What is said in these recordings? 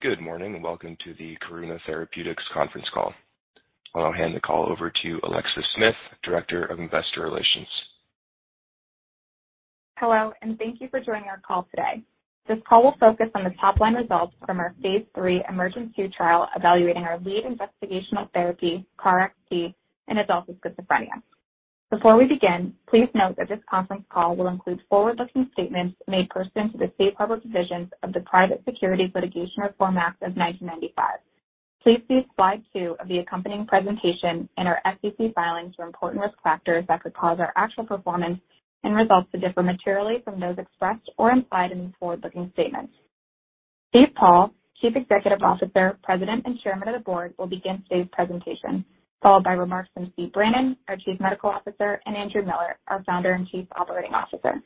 Good morning, and welcome to the Karuna Therapeutics Conference call. I'll now hand the call over to Alexis Smith, Director of Investor Relations. Hello, and thank you for joining our call today. This call will focus on the top-line results from our phase III EMERGENT-2 trial evaluating our lead investigational therapy, KarXT, in adults with schizophrenia. Before we begin, please note that this conference call will include forward-looking statements made pursuant to the safe harbor provisions of the Private Securities Litigation Reform Act of 1995. Please see slide two of the accompanying presentation and our SEC filings for important risk factors that could cause our actual performance and results to differ materially from those expressed or implied in the forward-looking statements. Steve Paul, Chief Executive Officer, President and Chairman of the Board, will begin today's presentation, followed by remarks from Stephen Brannan, our Chief Medical Officer, and Andrew Miller, our Founder and Chief Operating Officer.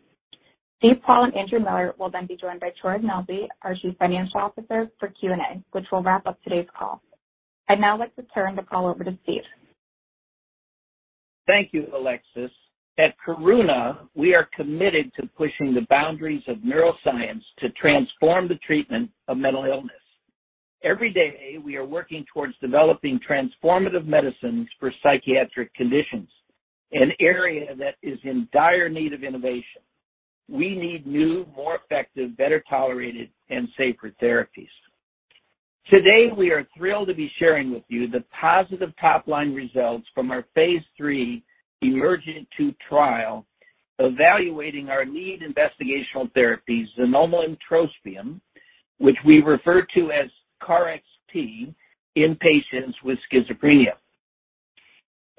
Steve Paul and Andrew Miller will then be joined by Troy Ignelzi, our Chief Financial Officer, for Q&A, which will wrap up today's call. I'd now like to turn the call over to Steve. Thank you, Alexis. At Karuna, we are committed to pushing the boundaries of neuroscience to transform the treatment of mental illness. Every day, we are working towards developing transformative medicines for psychiatric conditions, an area that is in dire need of innovation. We need new, more effective, better tolerated and safer therapies. Today, we are thrilled to be sharing with you the positive top-line results from our phase III EMERGENT-2 trial evaluating our lead investigational therapy, xanomeline and trospium, which we refer to as KarXT, in patients with schizophrenia.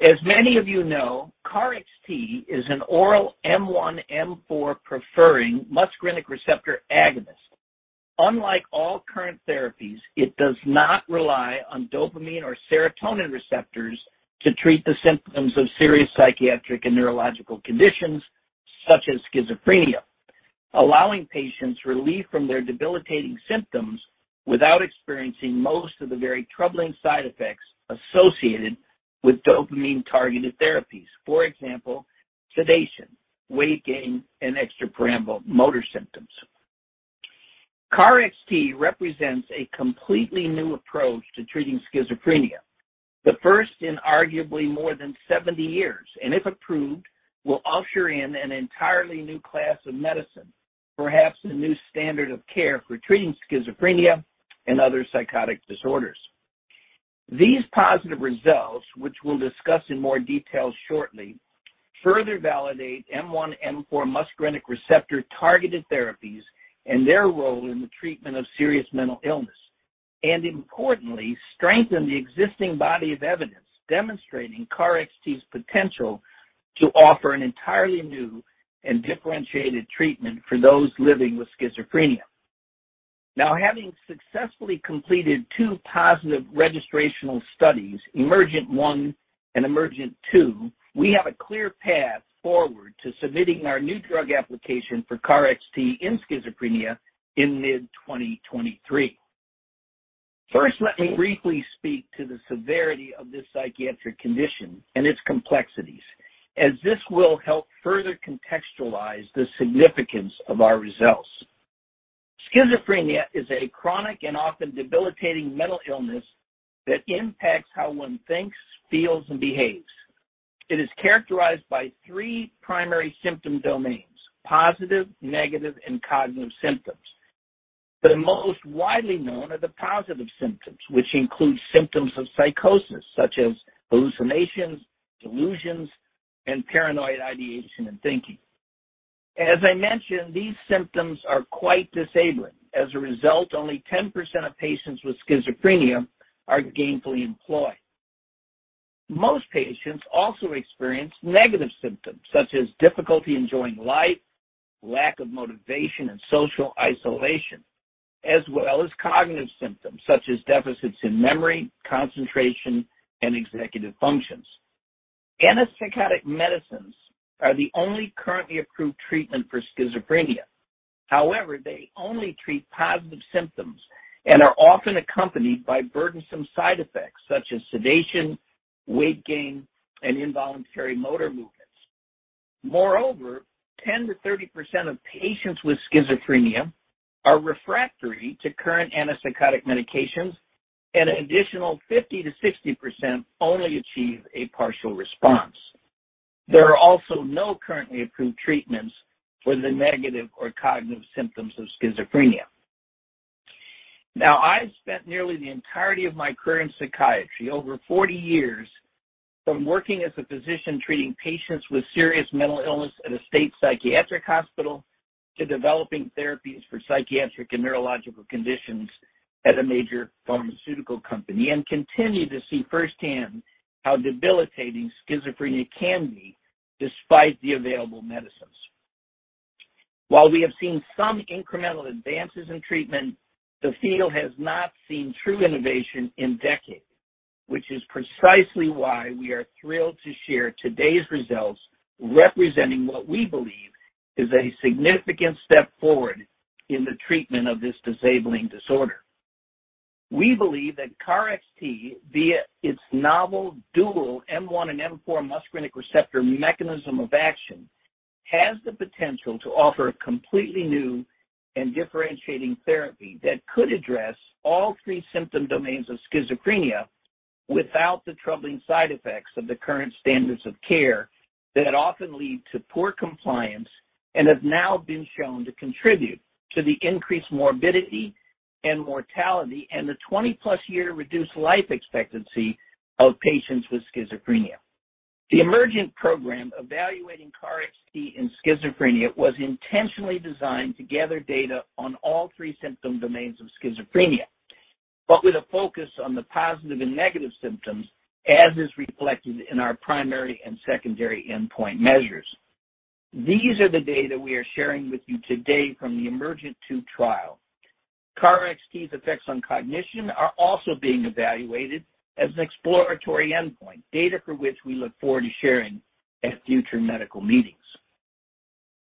As many of you know, KarXT is an oral M1/M4-preferring muscarinic receptor agonist. Unlike all current therapies, it does not rely on dopamine or serotonin receptors to treat the symptoms of serious psychiatric and neurological conditions such as schizophrenia, allowing patients relief from their debilitating symptoms without experiencing most of the very troubling side effects associated with dopamine-targeted therapies. For example, sedation, weight gain, and extrapyramidal motor symptoms. KarXT represents a completely new approach to treating schizophrenia, the first in arguably more than 70 years, and if approved, will usher in an entirely new class of medicine, perhaps a new standard of care for treating schizophrenia and other psychotic disorders. These positive results, which we'll discuss in more detail shortly, further validate M1/M4 muscarinic receptor-targeted therapies and their role in the treatment of serious mental illness, and importantly, strengthen the existing body of evidence demonstrating KarXT's potential to offer an entirely new and differentiated treatment for those living with schizophrenia. Now, having successfully completed two positive registrational studies, EMERGENT-1 and EMERGENT-2, we have a clear path forward to submitting our new drug application for KarXT in schizophrenia in mid-2023. First, let me briefly speak to the severity of this psychiatric condition and its complexities, as this will help further contextualize the significance of our results. Schizophrenia is a chronic and often debilitating mental illness that impacts how one thinks, feels, and behaves. It is characterized by three primary symptom domains: positive, negative, and cognitive symptoms. The most widely known are the positive symptoms, which include symptoms of psychosis such as hallucinations, delusions, and paranoid ideation and thinking. As I mentioned, these symptoms are quite disabling. As a result, only 10% of patients with schizophrenia are gainfully employed. Most patients also experience negative symptoms such as difficulty enjoying life, lack of motivation, and social isolation, as well as cognitive symptoms such as deficits in memory, concentration, and executive functions. Antipsychotic medicines are the only currently approved treatment for schizophrenia. However, they only treat positive symptoms and are often accompanied by burdensome side effects such as sedation, weight gain, and involuntary motor movements. Moreover, 10%-30% of patients with schizophrenia are refractory to current antipsychotic medications, and an additional 50%-60% only achieve a partial response. There are also no currently approved treatments for the negative or cognitive symptoms of schizophrenia. Now, I've spent nearly the entirety of my career in psychiatry, over 40 years, from working as a physician treating patients with serious mental illness at a state psychiatric hospital to developing therapies for psychiatric and neurological conditions at a major pharmaceutical company, and continue to see firsthand how debilitating schizophrenia can be despite the available medicines. While we have seen some incremental advances in treatment, the field has not seen true innovation in decades. Which is precisely why we are thrilled to share today's results, representing what we believe is a significant step forward in the treatment of this disabling disorder. We believe that KarXT, via its novel dual M1 and M4 muscarinic receptor mechanism of action has the potential to offer a completely new and differentiating therapy that could address all three symptom domains of schizophrenia without the troubling side effects of the current standards of care that often lead to poor compliance and have now been shown to contribute to the increased morbidity and mortality and the 20+ year reduced life expectancy of patients with schizophrenia. The EMERGENT program evaluating KarXT in schizophrenia was intentionally designed to gather data on all three symptom domains of schizophrenia, but with a focus on the positive and negative symptoms as is reflected in our primary and secondary endpoint measures. These are the data we are sharing with you today from the EMERGENT-2 trial. KarXT's effects on cognition are also being evaluated as an exploratory endpoint, data for which we look forward to sharing at future medical meetings.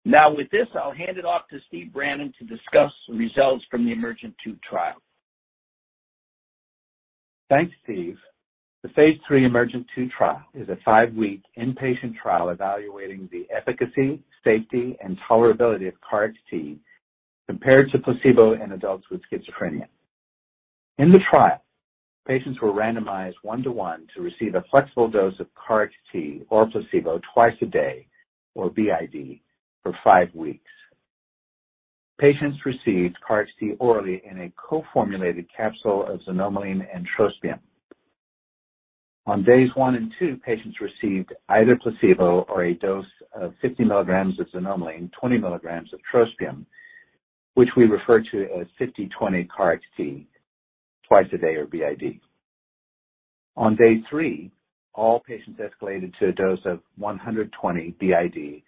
Now with this, I'll hand it off to Stephen Brannan to discuss the results from the EMERGENT-2 trial. Thanks, Steve. The phase III EMERGENT-2 trial is a five-week inpatient trial evaluating the efficacy, safety, and tolerability of KarXT compared to placebo in adults with schizophrenia. In the trial, patients were randomized one-to-one to receive a flexible dose of KarXT or placebo twice a day or BID for five weeks. Patients received KarXT orally in a co-formulated capsule of xanomeline and trospium. On days one and two, patients received either placebo or a dose of 50 milligrams of xanomeline, 20 milligrams of trospium, which we refer to as 50/20 KarXT twice a day or BID. On day three, all patients escalated to a dose of 125 BID,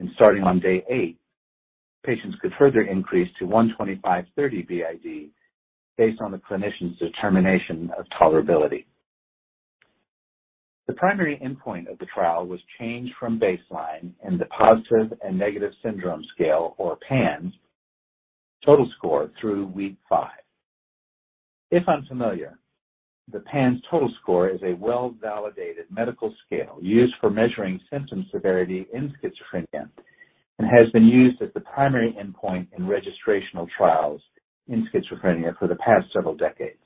and starting on day eight, patients could further increase to 125/30 BID based on the clinician's determination of tolerability. The primary endpoint of the trial was changed from baseline in the Positive and Negative Syndrome Scale or PANSS Total Score through week five. If unfamiliar, the PANSS Total Score is a well-validated medical scale used for measuring symptom severity in schizophrenia and has been used as the primary endpoint in registrational trials in schizophrenia for the past several decades.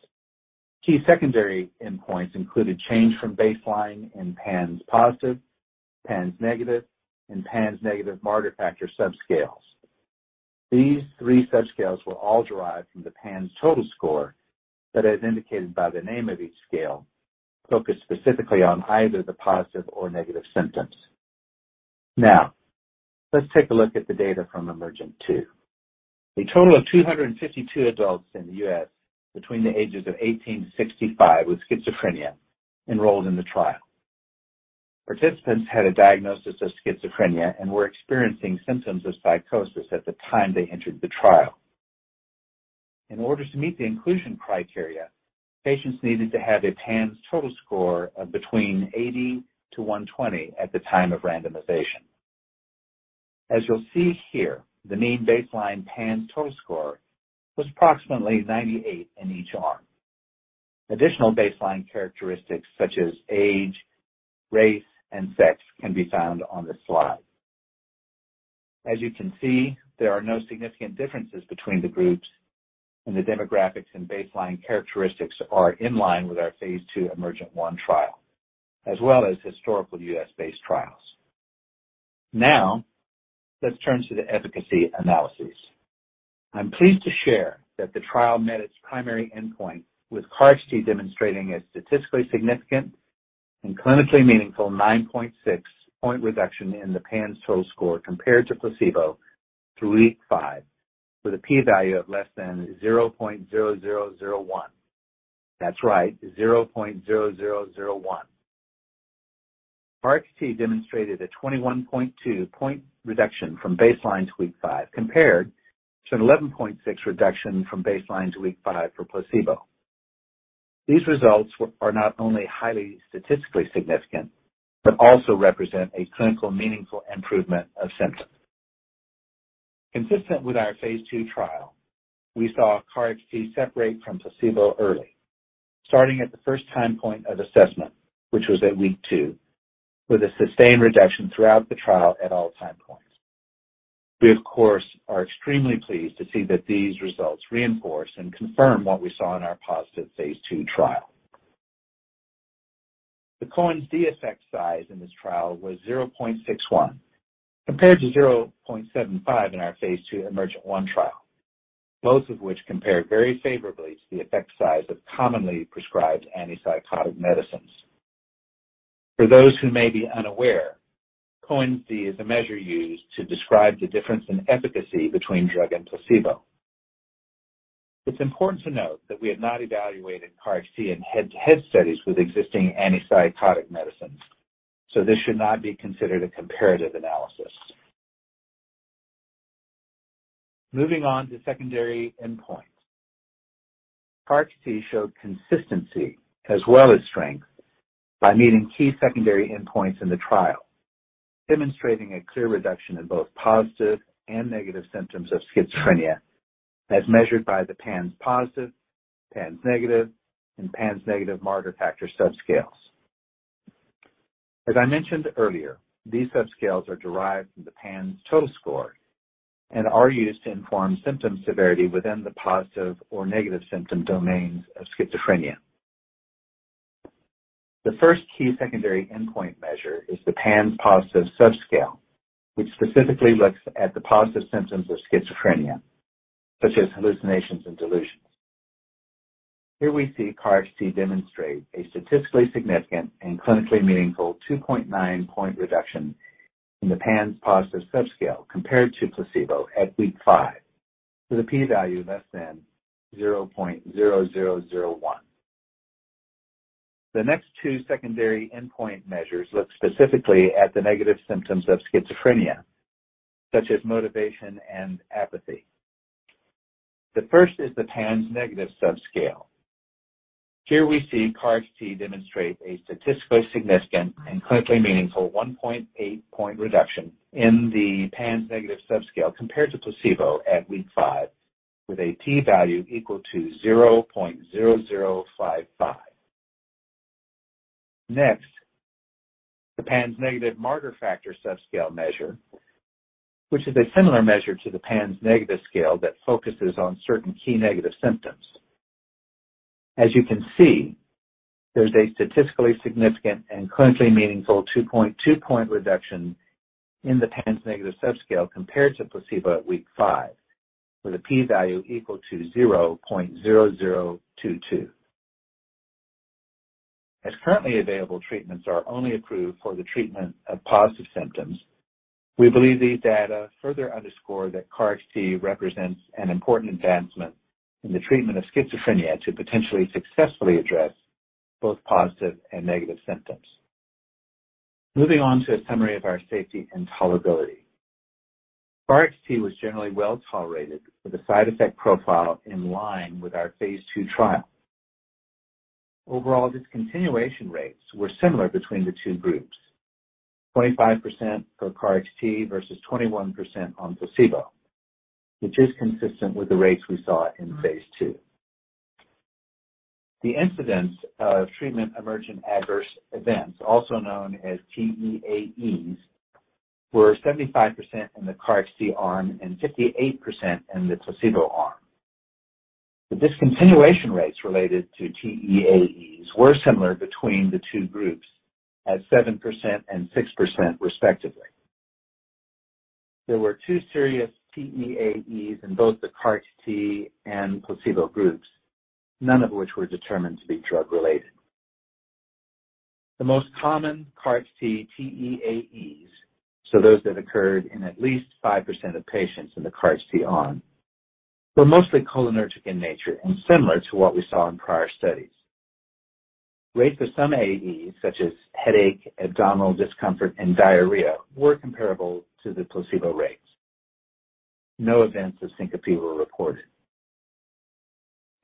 Key secondary endpoints included change from baseline in PANSS Positive, PANSS Negative, and PANSS Negative Marder factor subscales. These three subscales were all derived from the PANSS Total Score that, as indicated by the name of each scale, focus specifically on either the positive or negative symptoms. Now, let's take a look at the data from EMERGENT-2. A total of 252 adults in the U.S. between the ages of 18 to 65 with schizophrenia enrolled in the trial. Participants had a diagnosis of schizophrenia and were experiencing symptoms of psychosis at the time they entered the trial. In order to meet the inclusion criteria, patients needed to have a PANSS Total Score of between 80-120 at the time of randomization. As you'll see here, the mean baseline PANSS Total Score was approximately 98 in each arm. Additional baseline characteristics such as age, race, and sex can be found on this slide. As you can see, there are no significant differences between the groups, and the demographics and baseline characteristics are in line with our phase II EMERGENT-1 trial, as well as historical U.S.based trials. Now, let's turn to the efficacy analysis. I'm pleased to share that the trial met its primary endpoint with KarXT demonstrating a statistically significant and clinically meaningful nine point six point reduction in the PANSS Total Score compared to placebo through week five with a p-value of less than 0.0001. That's right, 0.0001. KarXT demonstrated a 21.2-point reduction from baseline to week five, compared to an 11.6 reduction from baseline to week five for placebo. These results are not only highly statistically significant but also represent a clinically meaningful improvement of symptoms. Consistent with our phase II trial, we saw KarXT separate from placebo early, starting at the first time point of assessment, which was at week two, with a sustained reduction throughout the trial at all time points. We, of course, are extremely pleased to see that these results reinforce and confirm what we saw in our positive phase II trial. The Cohen's d effect size in this trial was 0.61 compared to 0.75 in our phase II EMERGENT-1 trial, both of which compare very favorably to the effect size of commonly prescribed antipsychotic medicines. For those who may be unaware, Cohen's d is a measure used to describe the difference in efficacy between drug and placebo. It's important to note that we have not evaluated KarXT in head-to-head studies with existing antipsychotic medicines, so this should not be considered a comparative analysis. Moving on to secondary endpoints. KarXT showed consistency as well as strength by meeting key secondary endpoints in the trial, demonstrating a clear reduction in both positive and negative symptoms of schizophrenia. As measured by the PANSS Positive, PANSS Negative, and PANSS Negative Marder factor subscales. As I mentioned earlier, these subscales are derived from the PANSS total score and are used to inform symptom severity within the positive or negative symptom domains of schizophrenia. The first key secondary endpoint measure is the PANSS Positive subscale, which specifically looks at the positive symptoms of schizophrenia, such as hallucinations and delusions. Here we see KarXT demonstrate a statistically significant and clinically meaningful two point nine point reduction in the PANSS Positive subscale compared to placebo at week five, with a p-value less than 0.0001. The next two secondary endpoint measures look specifically at the negative symptoms of schizophrenia, such as motivation and apathy. The first is the PANSS Negative subscale. Here we see KarXT demonstrate a statistically significant and clinically meaningful one point eight point reduction in the PANSS Negative subscale compared to placebo at week five, with a p-value equal to 0.0055. Next, the PANSS Negative Marder Factor subscale measure, which is a similar measure to the PANSS Negative scale that focuses on certain key negative symptoms. As you can see, there's a statistically significant and clinically meaningful two point two reduction in the PANSS Negative subscale compared to placebo at week five, with a p-value equal to 0.0022. As currently available treatments are only approved for the treatment of positive symptoms, we believe these data further underscore that KarXT represents an important advancement in the treatment of schizophrenia to potentially successfully address both positive and negative symptoms. Moving on to a summary of our safety and tolerability. KarXT was generally well-tolerated with a side effect profile in line with our phase II trial. Overall discontinuation rates were similar between the two groups. 25% for KarXT versus 21% on placebo, which is consistent with the rates we saw in phase II. The incidence of treatment-emergent adverse events, also known as TEAEs, were 75% in the KarXT arm and 58% in the placebo arm. The discontinuation rates related to TEAEs were similar between the two groups at 7% and 6% respectively. There were two serious TEAEs in both the KarXT and placebo groups, none of which were determined to be drug-related. The most common KarXT TEAEs, so those that occurred in at least 5% of patients in the KarXT arm, were mostly cholinergic in nature and similar to what we saw in prior studies. Rates for some AEs, such as headache, abdominal discomfort, and diarrhea, were comparable to the placebo rates. No events of syncope were reported.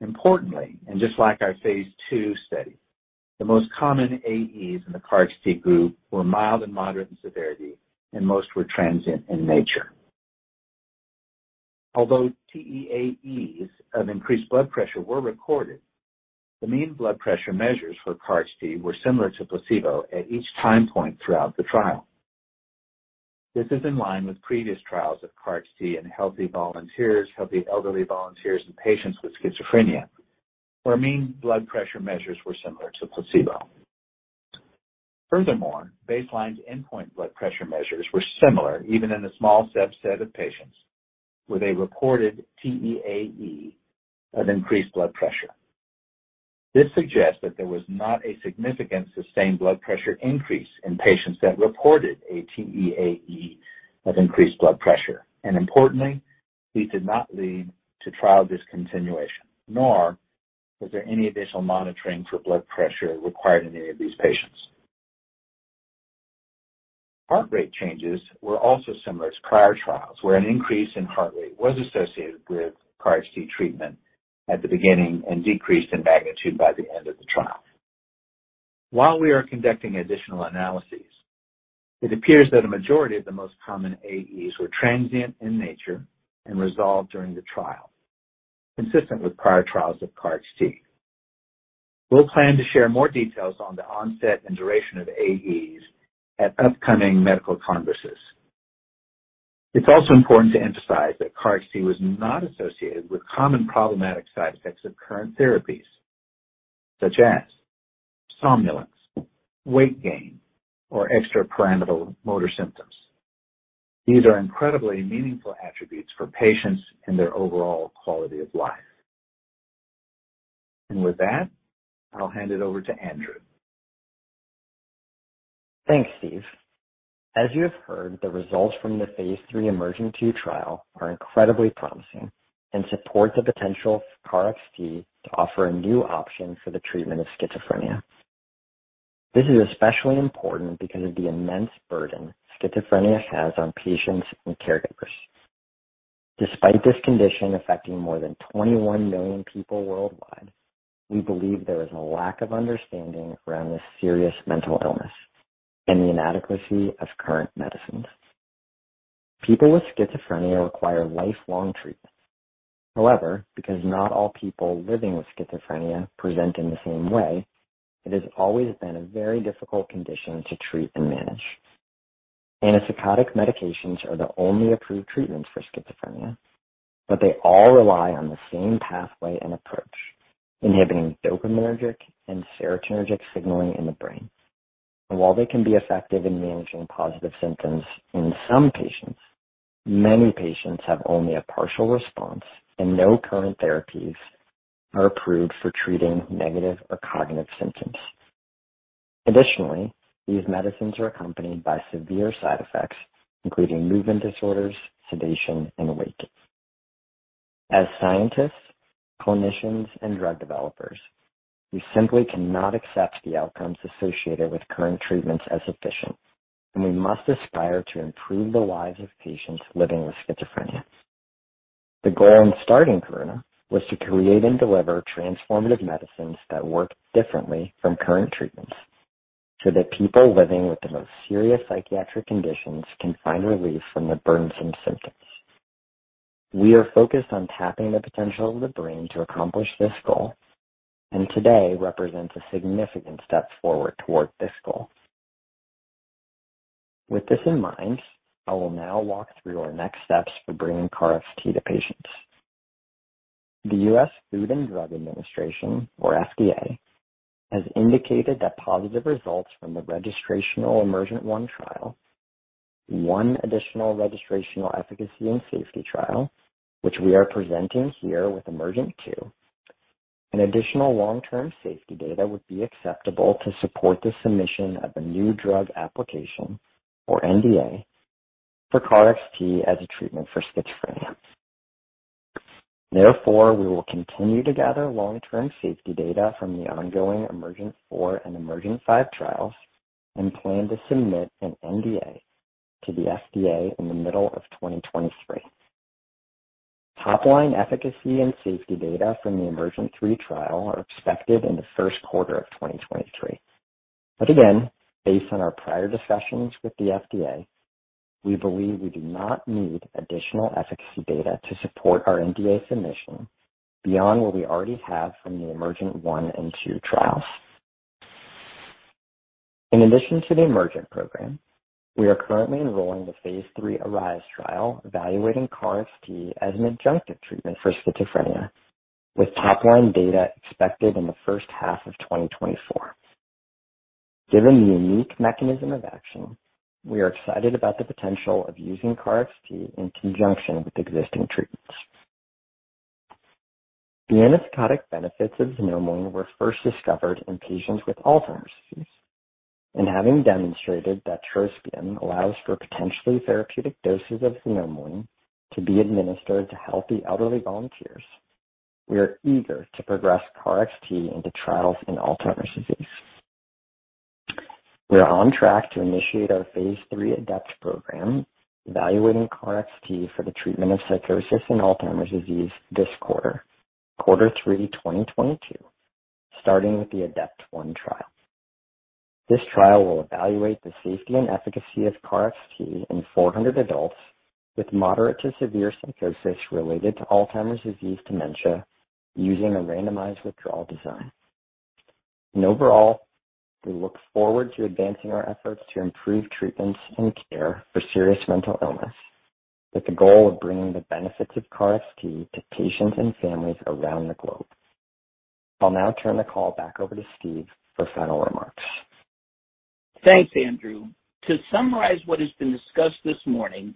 Importantly, and just like our phase II study, the most common AEs in the KarXT group were mild and moderate in severity, and most were transient in nature. Although TEAEs of increased blood pressure were recorded, the mean blood pressure measures for KarXT were similar to placebo at each time point throughout the trial. This is in line with previous trials of KarXT in healthy volunteers, healthy elderly volunteers, and patients with schizophrenia, where mean blood pressure measures were similar to placebo. Furthermore, baseline to endpoint blood pressure measures were similar even in a small subset of patients with a reported TEAE of increased blood pressure. This suggests that there was not a significant sustained blood pressure increase in patients that reported a TEAE of increased blood pressure, and importantly, these did not lead to trial discontinuation, nor was there any additional monitoring for blood pressure required in any of these patients. Heart rate changes were also similar to prior trials where an increase in heart rate was associated with KarXT treatment at the beginning and decreased in magnitude by the end of the trial. While we are conducting additional analyses, it appears that a majority of the most common AEs were transient in nature and resolved during the trial, consistent with prior trials of KarXT. We'll plan to share more details on the onset and duration of AEs at upcoming medical congresses. It's also important to emphasize that KarXT was not associated with common problematic side effects of current therapies such as somnolence, weight gain, or extrapyramidal motor symptoms. These are incredibly meaningful attributes for patients and their overall quality of life. With that, I'll hand it over to Andrew. Thanks, Stephen. As you have heard, the results from the phase III EMERGENT-2 trial are incredibly promising and support the potential for KarXT to offer a new option for the treatment of schizophrenia. This is especially important because of the immense burden schizophrenia has on patients and caregivers. Despite this condition affecting more than 21 million people worldwide. We believe there is a lack of understanding around this serious mental illness and the inadequacy of current medicines. People with schizophrenia require lifelong treatment. However, because not all people living with schizophrenia present in the same way, it has always been a very difficult condition to treat and manage. Antipsychotic medications are the only approved treatments for schizophrenia, but they all rely on the same pathway and approach, inhibiting dopaminergic and serotonergic signaling in the brain. While they can be effective in managing positive symptoms in some patients, many patients have only a partial response, and no current therapies are approved for treating negative or cognitive symptoms. Additionally, these medicines are accompanied by severe side effects, including movement disorders, sedation, and weight gain. As scientists, clinicians, and drug developers, we simply cannot accept the outcomes associated with current treatments as sufficient, and we must aspire to improve the lives of patients living with schizophrenia. The goal in starting Karuna was to create and deliver transformative medicines that work differently from current treatments so that people living with the most serious psychiatric conditions can find relief from their burdensome symptoms. We are focused on tapping the potential of the brain to accomplish this goal, and today represents a significant step forward toward this goal. With this in mind, I will now walk through our next steps for bringing KarXT to patients. The U.S. Food and Drug Administration, or FDA, has indicated that positive results from the registrational EMERGENT-1 trial, one additional registrational efficacy and safety trial, which we are presenting here with EMERGENT-2, and additional long-term safety data would be acceptable to support the submission of a new drug application, or NDA, for KarXT as a treatment for schizophrenia. Therefore, we will continue to gather long-term safety data from the ongoing EMERGENT-4 and EMERGENT-5 trials and plan to submit an NDA to the FDA in the middle of 2023. Top line efficacy and safety data from the EMERGENT-3 trial are expected in the first quarter of 2023. Again, based on our prior discussions with the FDA, we believe we do not need additional efficacy data to support our NDA submission beyond what we already have from the EMERGENT-1 and EMERGENT-2 trials. In addition to the EMERGENT program, we are currently enrolling the phase III ARISE trial evaluating KarXT as an adjunctive treatment for schizophrenia, with top-line data expected in the first half of 2024. Given the unique mechanism of action, we are excited about the potential of using KarXT in conjunction with existing treatments. The antipsychotic benefits of xanomeline were first discovered in patients with Alzheimer's disease. Having demonstrated that trospium allows for potentially therapeutic doses of xanomeline to be administered to healthy elderly volunteers, we are eager to progress KarXT into trials in Alzheimer's disease. We are on track to initiate our phase III ADEPT program evaluating KarXT for the treatment of psychosis in Alzheimer's disease this quarter, Q3 2022, starting with the ADEPT-1 trial. This trial will evaluate the safety and efficacy of KarXT in 400 adults with moderate to severe psychosis related to Alzheimer's disease dementia using a randomized withdrawal design. Overall, we look forward to advancing our efforts to improve treatments and care for serious mental illness with the goal of bringing the benefits of KarXT to patients and families around the globe. I'll now turn the call back over to Steve for final remarks. Thanks, Andrew. To summarize what has been discussed this morning,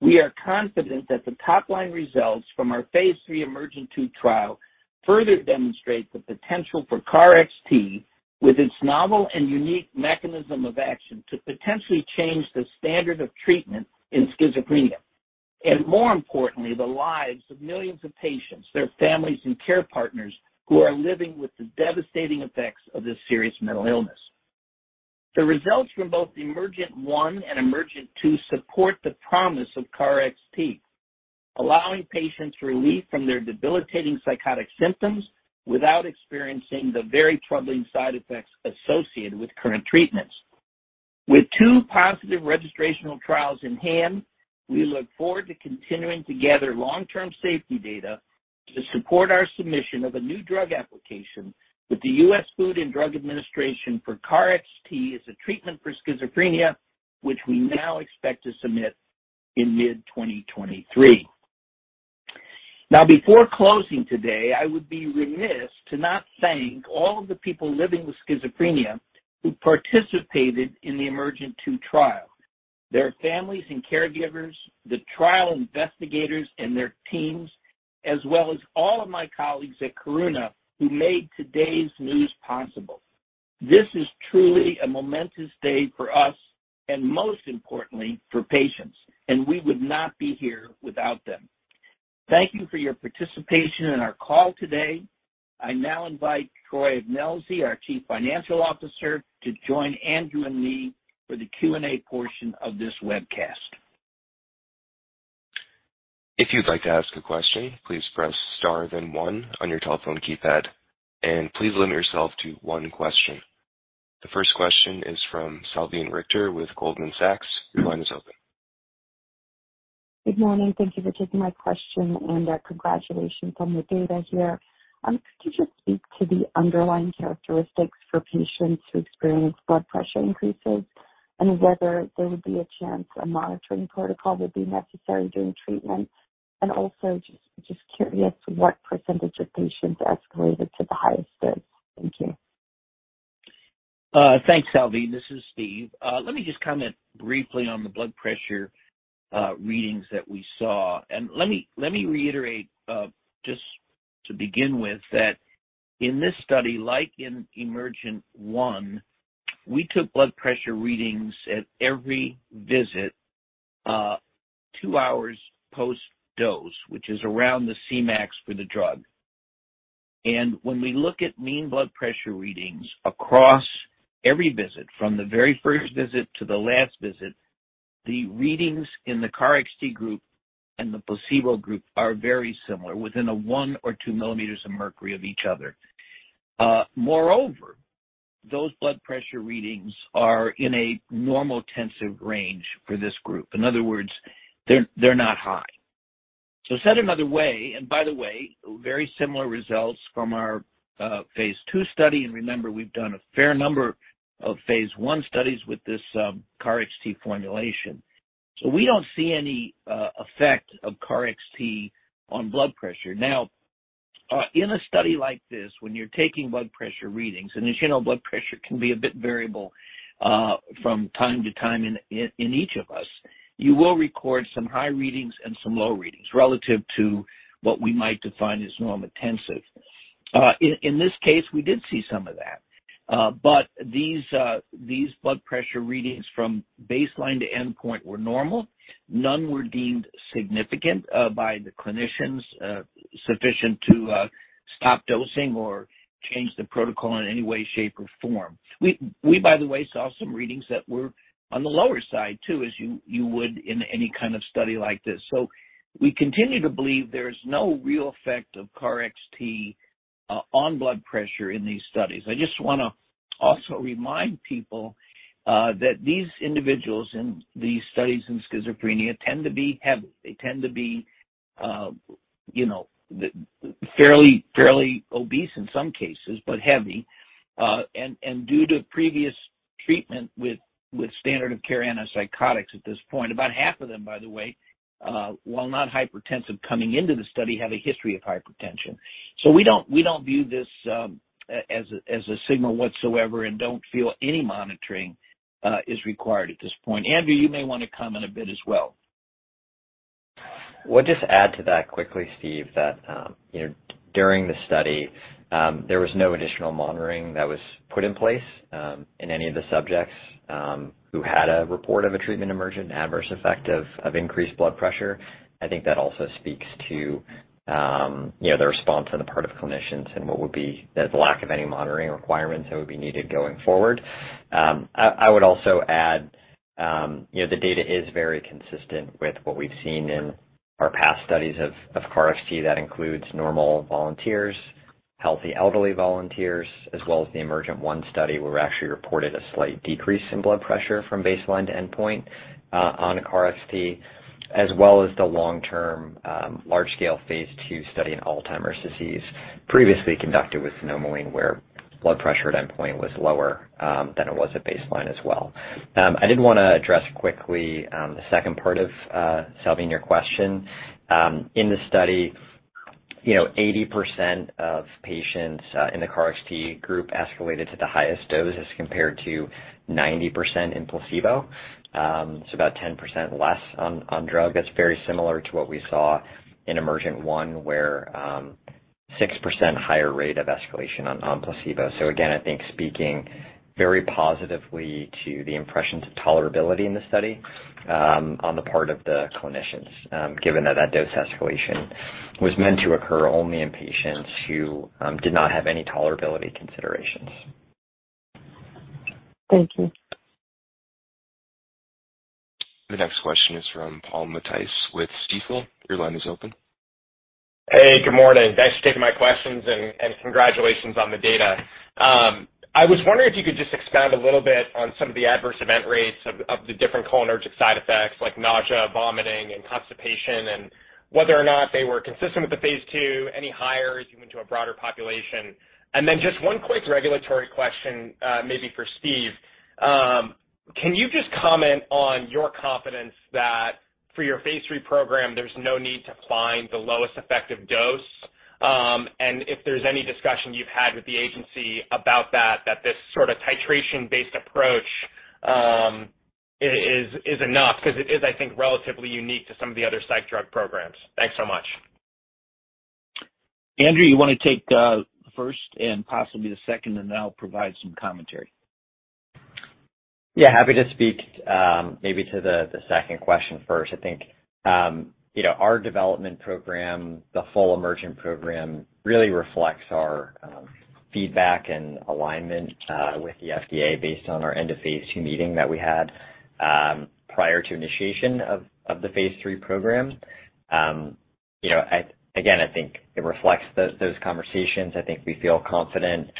we are confident that the top-line results from our phase III EMERGENT-2 trial further demonstrate the potential for KarXT with its novel and unique mechanism of action to potentially change the standard of treatment in schizophrenia and, more importantly, the lives of millions of patients, their families, and care partners who are living with the devastating effects of this serious mental illness. The results from both EMERGENT-1 and EMERGENT-2 support the promise of KarXT, allowing patients relief from their debilitating psychotic symptoms without experiencing the very troubling side effects associated with current treatments. With two positive registrational trials in hand, we look forward to continuing to gather long-term safety data to support our submission of a new drug application with the U.S. Food and Drug Administration for KarXT as a treatment for schizophrenia, which we now expect to submit in mid-2023. Now, before closing today, I would be remiss to not thank all of the people living with schizophrenia who participated in the EMERGENT-2 trial, their families and caregivers, the trial investigators and their teams, as well as all of my colleagues at Karuna who made today's news possible. This is truly a momentous day for us and, most importantly, for patients, and we would not be here without them. Thank you for your participation in our call today. I now invite Troy Ignelzi, our Chief Financial Officer, to join Andrew and me for the Q&A portion of this webcast. If you'd like to ask a question, please press star then one on your telephone keypad, and please limit yourself to one question. The first question is from Salveen Richter with Goldman Sachs. Your line is open. Good morning. Thank you for taking my question and, congratulations on the data here. Could you just speak to the underlying characteristics for patients who experience blood pressure increases and whether there would be a chance a monitoring protocol would be necessary during treatment? Just curious what percentage of patients escalated to the highest dose. Thank you. Thanks, Salveen. This is Steve. Let me just comment briefly on the blood pressure readings that we saw. Let me reiterate just to begin with that in this study, like in EMERGENT-1, we took blood pressure readings at every visit two hours post-dose, which is around the Cmax for the drug. When we look at mean blood pressure readings across every visit from the very first visit to the last visit, the readings in the KarXT group and the placebo group are very similar, within one or 2 millimeters of mercury of each other. Moreover, those blood pressure readings are in a normotensive range for this group. In other words, they're not high. Said another way, by the way, very similar results from our phase II study. Remember, we've done a fair number of phase I studies with this KarXT formulation. We don't see any effect of KarXT on blood pressure. In a study like this, when you're taking blood pressure readings, and as you know, blood pressure can be a bit variable from time to time in each of us. You will record some high readings and some low readings relative to what we might define as normotensive. In this case, we did see some of that. But these blood pressure readings from baseline to endpoint were normal. None were deemed significant by the clinicians sufficient to stop dosing or change the protocol in any way, shape, or form. We, by the way, saw some readings that were on the lower side too, as you would in any kind of study like this. We continue to believe there is no real effect of KarXT on blood pressure in these studies. I just wanna also remind people that these individuals in these studies in schizophrenia tend to be heavy. They tend to be you know, fairly obese in some cases, but heavy due to previous treatment with standard of care antipsychotics at this point, about half of them, by the way, while not hypertensive coming into the study, have a history of hypertension. We don't view this as a signal whatsoever and don't feel any monitoring is required at this point. Andrew, you may want to comment a bit as well. Well, just add to that quickly, Steve, that during the study there was no additional monitoring that was put in place in any of the subjects who had a report of a treatment-emergent adverse effect of increased blood pressure. I think that also speaks to you know the response on the part of clinicians and what would be the lack of any monitoring requirements that would be needed going forward. I would also add you know the data is very consistent with what we've seen in our past studies of KarXT that includes normal volunteers, healthy elderly volunteers, as well as the EMERGENT-1 study, where we actually reported a slight decrease in blood pressure from baseline to endpoint on KarXT. As well as the long-term, large scale phase II study in Alzheimer's disease previously conducted with xanomeline, where blood pressure at endpoint was lower than it was at baseline as well. I did wanna address quickly the second part of Salveen, your question. In the study, you know, 80% of patients in the KarXT group escalated to the highest doses compared to 90% in placebo. About 10% less on drug. That's very similar to what we saw in EMERGENT-1, where six percent higher rate of escalation on placebo. Again, I think speaking very positively to the impressions of tolerability in this study on the part of the clinicians, given that that dose escalation was meant to occur only in patients who did not have any tolerability considerations. Thank you. The next question is from Paul Matteis with Stifel. Your line is open. Hey, good morning. Thanks for taking my questions and congratulations on the data. I was wondering if you could just expand a little bit on some of the adverse event rates of the different cholinergic side effects like nausea, vomiting, and constipation, and whether or not they were consistent with the phase II, any higher as you went to a broader population. Just one quick regulatory question, maybe for Steve. Can you just comment on your confidence that for your phase III program, there's no need to find the lowest effective dose? And if there's any discussion you've had with the agency about that this sort of titration based approach is enough because it is, I think, relatively unique to some of the other psych drug programs. Thanks so much. Andrew, you want to take first and possibly the second, and then I'll provide some commentary. Yeah. Happy to speak, maybe to the second question first. I think, you know, our development program, the full EMERGENT program, really reflects our feedback and alignment with the FDA based on our end of phase II meeting that we had prior to initiation of the phase III program. You know, again, I think it reflects those conversations. I think we feel confident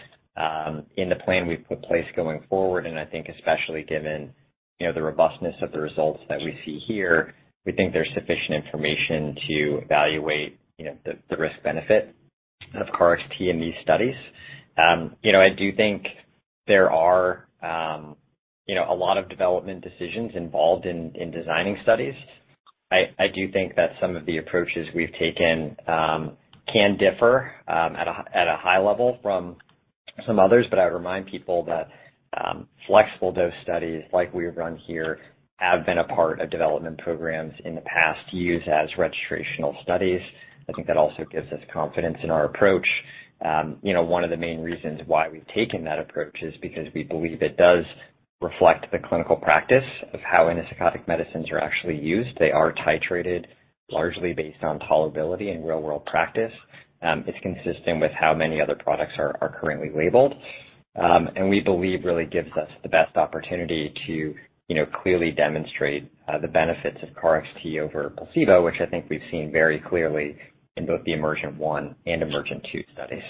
in the plan we've put in place going forward, and I think especially given, you know, the robustness of the results that we see here, we think there's sufficient information to evaluate, you know, the risk-benefit of KarXT in these studies. You know, I do think there are, you know, a lot of development decisions involved in designing studies. I do think that some of the approaches we've taken can differ at a high level from some others, but I remind people that flexible dose studies like we run here have been a part of development programs in the past used as registrational studies. I think that also gives us confidence in our approach. You know, one of the main reasons why we've taken that approach is because we believe it does reflect the clinical practice of how antipsychotic medicines are actually used. They are titrated largely based on tolerability and real-world practice. It's consistent with how many other products are currently labeled. We believe really gives us the best opportunity to, you know, clearly demonstrate the benefits of KarXT over placebo, which I think we've seen very clearly in both the EMERGENT-1 and EMERGENT-2 studies.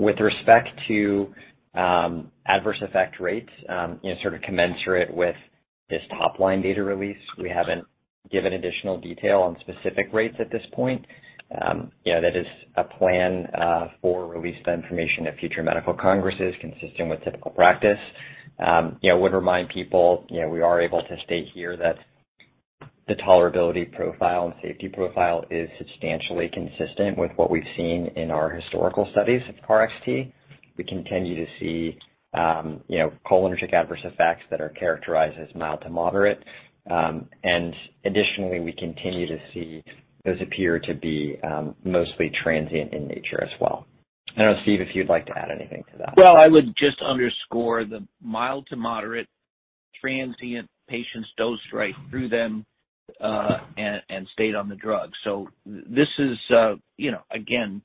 With respect to adverse effect rates, you know, sort of commensurate with this top-line data release. We haven't given additional detail on specific rates at this point. You know, that is a plan for release of information at future medical congresses, consistent with typical practice. You know, I would remind people, you know, we are able to state here that the tolerability profile and safety profile is substantially consistent with what we've seen in our historical studies of KarXT. We continue to see, you know, cholinergic adverse effects that are characterized as mild to moderate. We continue to see those appear to be mostly transient in nature as well. I don't know, Steve, if you'd like to add anything to that. Well, I would just underscore the mild to moderate transient patients dosed right through them, and stayed on the drug. This is, you know, again,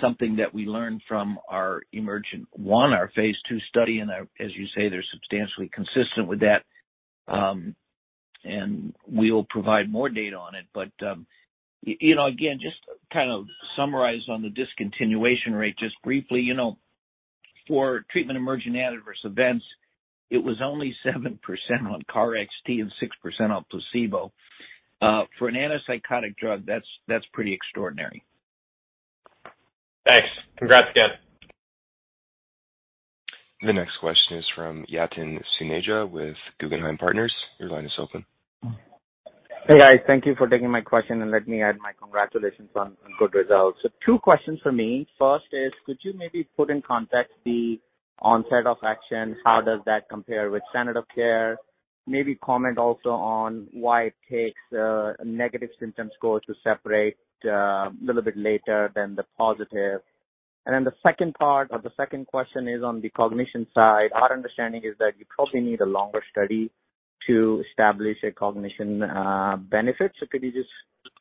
something that we learned from our EMERGENT-1, our phase II study, and as you say, they're substantially consistent with that. We will provide more data on it, but, you know, again, just to kind of summarize on the discontinuation rate just briefly, you know, for treatment-emergent adverse events, it was only 7% on KarXT and 6% on placebo. For an antipsychotic drug, that's pretty extraordinary. Thanks. Congrats again. The next question is from Yatin Suneja with Guggenheim Partners. Your line is open. Hey, guys. Thank you for taking my question, and let me add my congratulations on good results. Two questions from me. First is, could you maybe put in context the onset of action? How does that compare with standard of care? Maybe comment also on why it takes a negative symptom score to separate a little bit later than the positive. Then the second part or the second question is on the cognition side. Our understanding is that you probably need a longer study to establish a cognition benefit. Could you just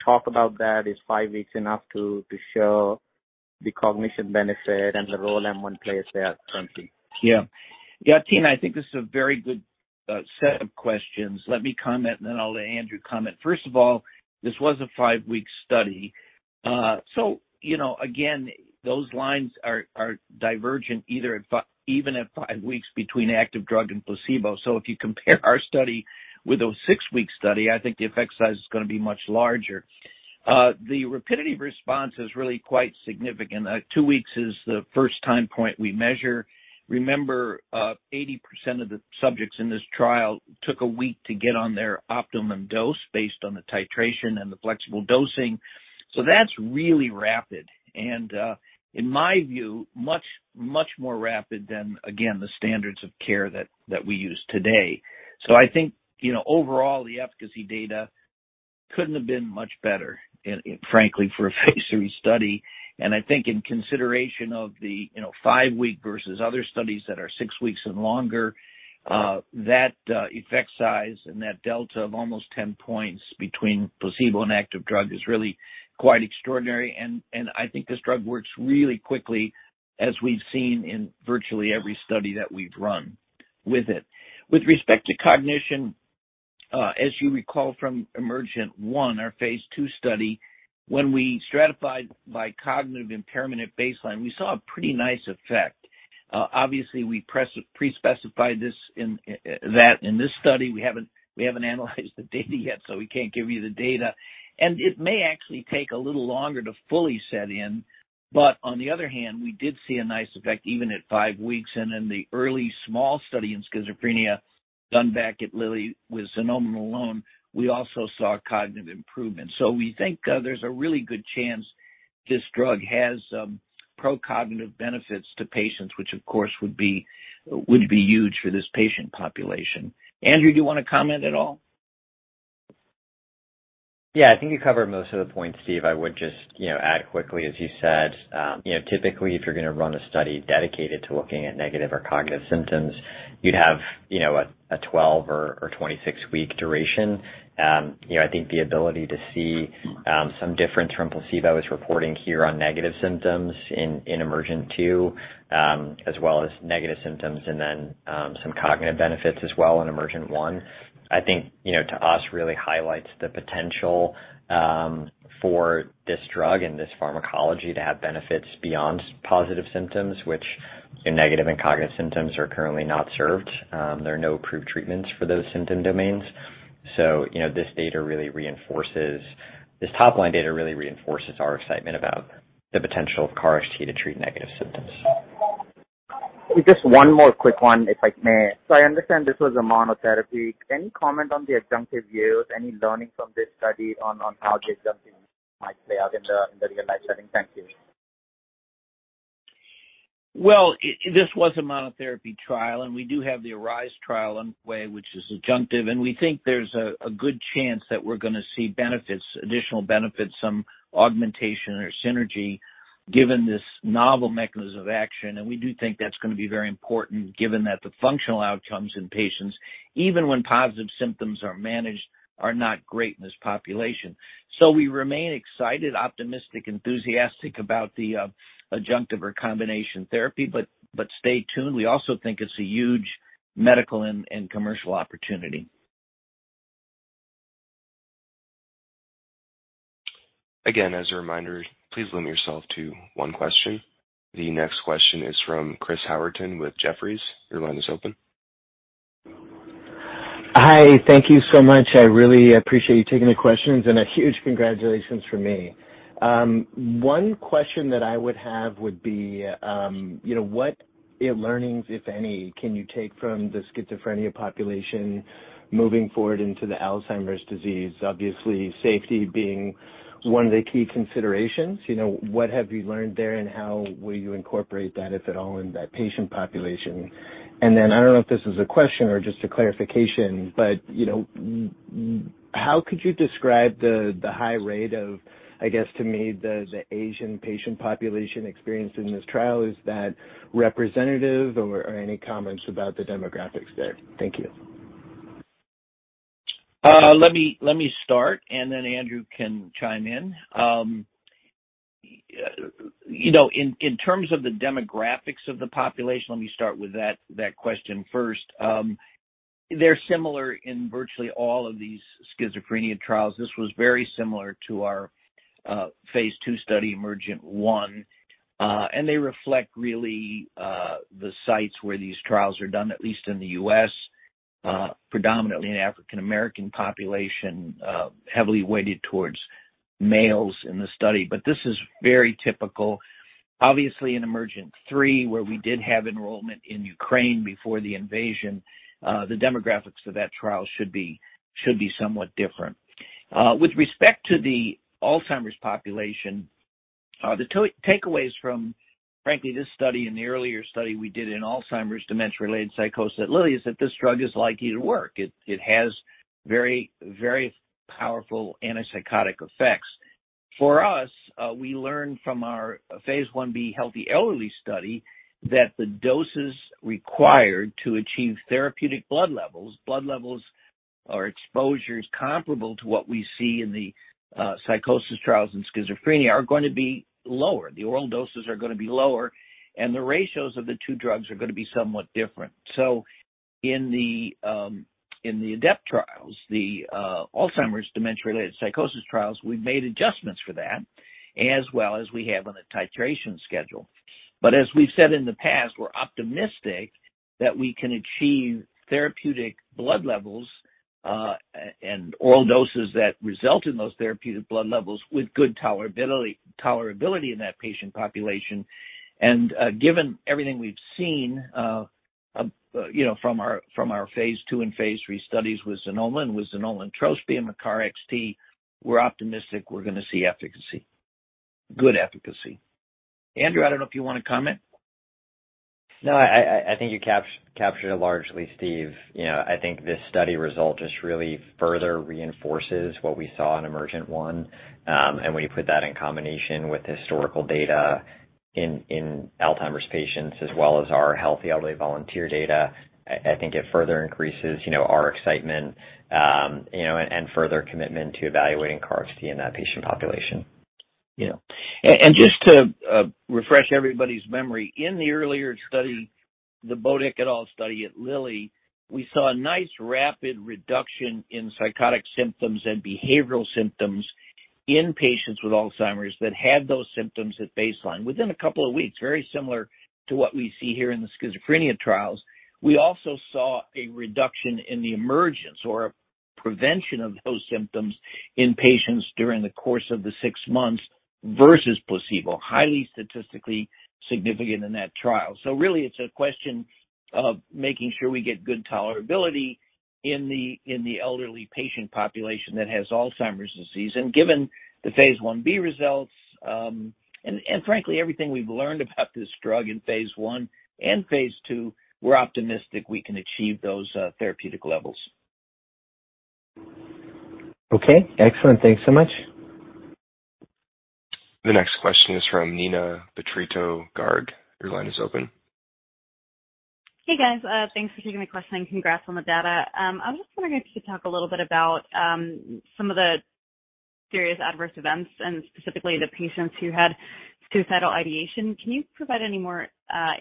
talk about that? Is five weeks enough to show the cognition benefit and the role M1 plays there currently? Yeah. Yatin, I think this is a very good set of questions. Let me comment, and then I'll let Andrew comment. First of all, this was a five week study. So you know, again, those lines are divergent either at even at five weeks between active drug and placebo. So if you compare our study with a six week study, I think the effect size is gonna be much larger. The rapidity of response is really quite significant. Two weeks is the first time point we measure. Remember, 80% of the subjects in this trial took a week to get on their optimum dose based on the titration and the flexible dosing. So that's really rapid and, in my view, much, much more rapid than, again, the standards of care that we use today. I think, you know, overall, the efficacy data couldn't have been much better, frankly, for a phase III study. I think in consideration of the, you know, five week versus other studies that are six weeks and longer, that effect size and that delta of almost 10 points between placebo and active drug is really quite extraordinary. I think this drug works really quickly, as we've seen in virtually every study that we've run with it. With respect to cognition, as you recall from EMERGENT-1, our phase II study, when we stratified by cognitive impairment at baseline, we saw a pretty nice effect. Obviously, we pre-specified this in that in this study, we haven't analyzed the data yet, so we can't give you the data. It may actually take a little longer to fully set in. On the other hand, we did see a nice effect even at five weeks and in the early small study in schizophrenia done back at Lilly with xanomeline alone, we also saw cognitive improvement. We think there's a really good chance this drug has pro-cognitive benefits to patients, which of course would be huge for this patient population. Andrew, do you wanna comment at all? Yeah, I think you covered most of the points, Steve. I would just, you know, add quickly, as you said, you know, typically if you're going to run a study dedicated to looking at negative or cognitive symptoms, you'd have, you know, a 12- or 26-week duration. You know, I think the ability to see some difference from placebo is reporting here on negative symptoms in EMERGENT-2, as well as negative symptoms and then some cognitive benefits as well in EMERGENT-1. I think, you know, to us really highlights the potential for this drug and this pharmacology to have benefits beyond positive symptoms, which, you know, negative and cognitive symptoms are currently not served. There are no approved treatments for those symptom domains. You know, this top line data really reinforces our excitement about the potential of KarXT to treat negative symptoms. Just one more quick one, if I may. I understand this was a monotherapy. Can you comment on the adjunctive use? Any learning from this study on how the adjunctive might play out in the real-life setting? Thank you. Well, this was a monotherapy trial, and we do have the ARISE trial underway, which is adjunctive, and we think there's a good chance that we're gonna see benefits, additional benefits, some augmentation or synergy given this novel mechanism of action. We do think that's going to be very important given that the functional outcomes in patients, even when positive symptoms are managed, are not great in this population. We remain excited, optimistic, enthusiastic about the adjunctive or combination therapy, but stay tuned. We also think it's a huge medical and commercial opportunity. Again, as a reminder, please limit yourself to one question. The next question is from Chris Howerton with Jefferies. Your line is open. Hi. Thank you so much. I really appreciate you taking the questions and a huge congratulations from me. One question that I would have would be, you know, what learnings, if any, can you take from the schizophrenia population moving forward into the Alzheimer's disease? Obviously, safety being one of the key considerations. You know, what have you learned there and how will you incorporate that, if at all, in that patient population? I don't know if this is a question or just a clarification, but, you know, how could you describe the high rate of, I guess to me, the Asian patient population experienced in this trial? Is that representative or are any comments about the demographics there? Thank you. Let me start, and then Andrew can chime in. You know, in terms of the demographics of the population, let me start with that question first. They're similar in virtually all of these schizophrenia trials. This was very similar to our phase II study, EMERGENT-1, and they reflect really the sites where these trials are done at least in the U.S., predominantly an African American population, heavily weighted towards males in the study. This is very typical. Obviously, in EMERGENT-3, where we did have enrollment in Ukraine before the invasion, the demographics of that trial should be somewhat different. With respect to the Alzheimer's population, the two takeaways from, frankly, this study and the earlier study we did in Alzheimer's dementia-related psychosis at Lilly is that this drug is likely to work. It has very, very powerful antipsychotic effects. For us, we learned from our phase I-B healthy elderly study that the doses required to achieve therapeutic blood levels or exposures comparable to what we see in the psychosis trials in schizophrenia are going to be lower. The oral doses are going to be lower, and the ratios of the two drugs are going to be somewhat different. In the ADEPT trials, the Alzheimer's dementia-related psychosis trials, we've made adjustments for that as well as we have on the titration schedule. As we've said in the past, we're optimistic that we can achieve therapeutic blood levels and oral doses that result in those therapeutic blood levels with good tolerability in that patient population. Given everything we've seen, you know, from our phase II and phase III studies with xanomeline and trospium and KarXT, we're optimistic we're going to see efficacy, good efficacy. Andrew, I don't know if you want to comment. No, I think you captured it largely, Steve. You know, I think this study result just really further reinforces what we saw in EMERGENT-1. When you put that in combination with historical data in Alzheimer's patients as well as our healthy elderly volunteer data, I think it further increases, you know, our excitement, you know, and further commitment to evaluating KarXT in that patient population. Yeah. Just to refresh everybody's memory, in the earlier study, the Bodick et al. study at Lilly, we saw a nice rapid reduction in psychotic symptoms and behavioral symptoms in patients with Alzheimer's that had those symptoms at baseline within a couple of weeks, very similar to what we see here in the schizophrenia trials. We also saw a reduction in the emergence or prevention of those symptoms in patients during the course of the six months versus placebo. Highly statistically significant in that trial. Really, it's a question of making sure we get good tolerability in the elderly patient population that has Alzheimer's disease. Given the phase I-B results, and frankly, everything we've learned about this drug in phase I and phase II, we're optimistic we can achieve those therapeutic levels. Okay, excellent. Thanks so much. The next question is from Neena Bitritto-Garg. Your line is open. Hey, guys. Thanks for taking my question and congrats on the data. I was just wondering if you'd talk a little bit about some of the serious adverse events and specifically the patients who had suicidal ideation. Can you provide any more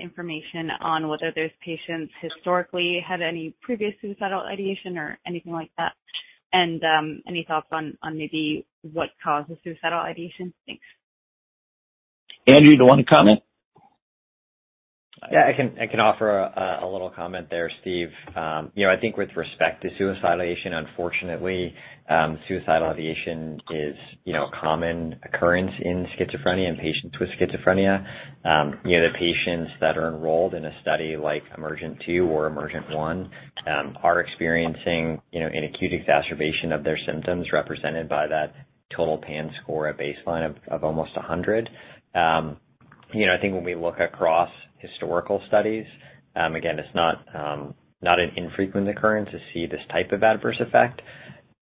information on whether those patients historically had any previous suicidal ideation or anything like that? Any thoughts on maybe what caused the suicidal ideation? Thanks. Andrew, do you want to comment? Yeah, I can offer a little comment there, Steve. You know, I think with respect to suicidal ideation, unfortunately, suicidal ideation is, you know, a common occurrence in schizophrenia, in patients with schizophrenia. You know, the patients that are enrolled in a study like EMERGENT-2 or EMERGENT-1 are experiencing, you know, an acute exacerbation of their symptoms represented by that total PANSS score, a baseline of almost 100. You know, I think when we look across historical studies, again, it's not an infrequent occurrence to see this type of adverse effect.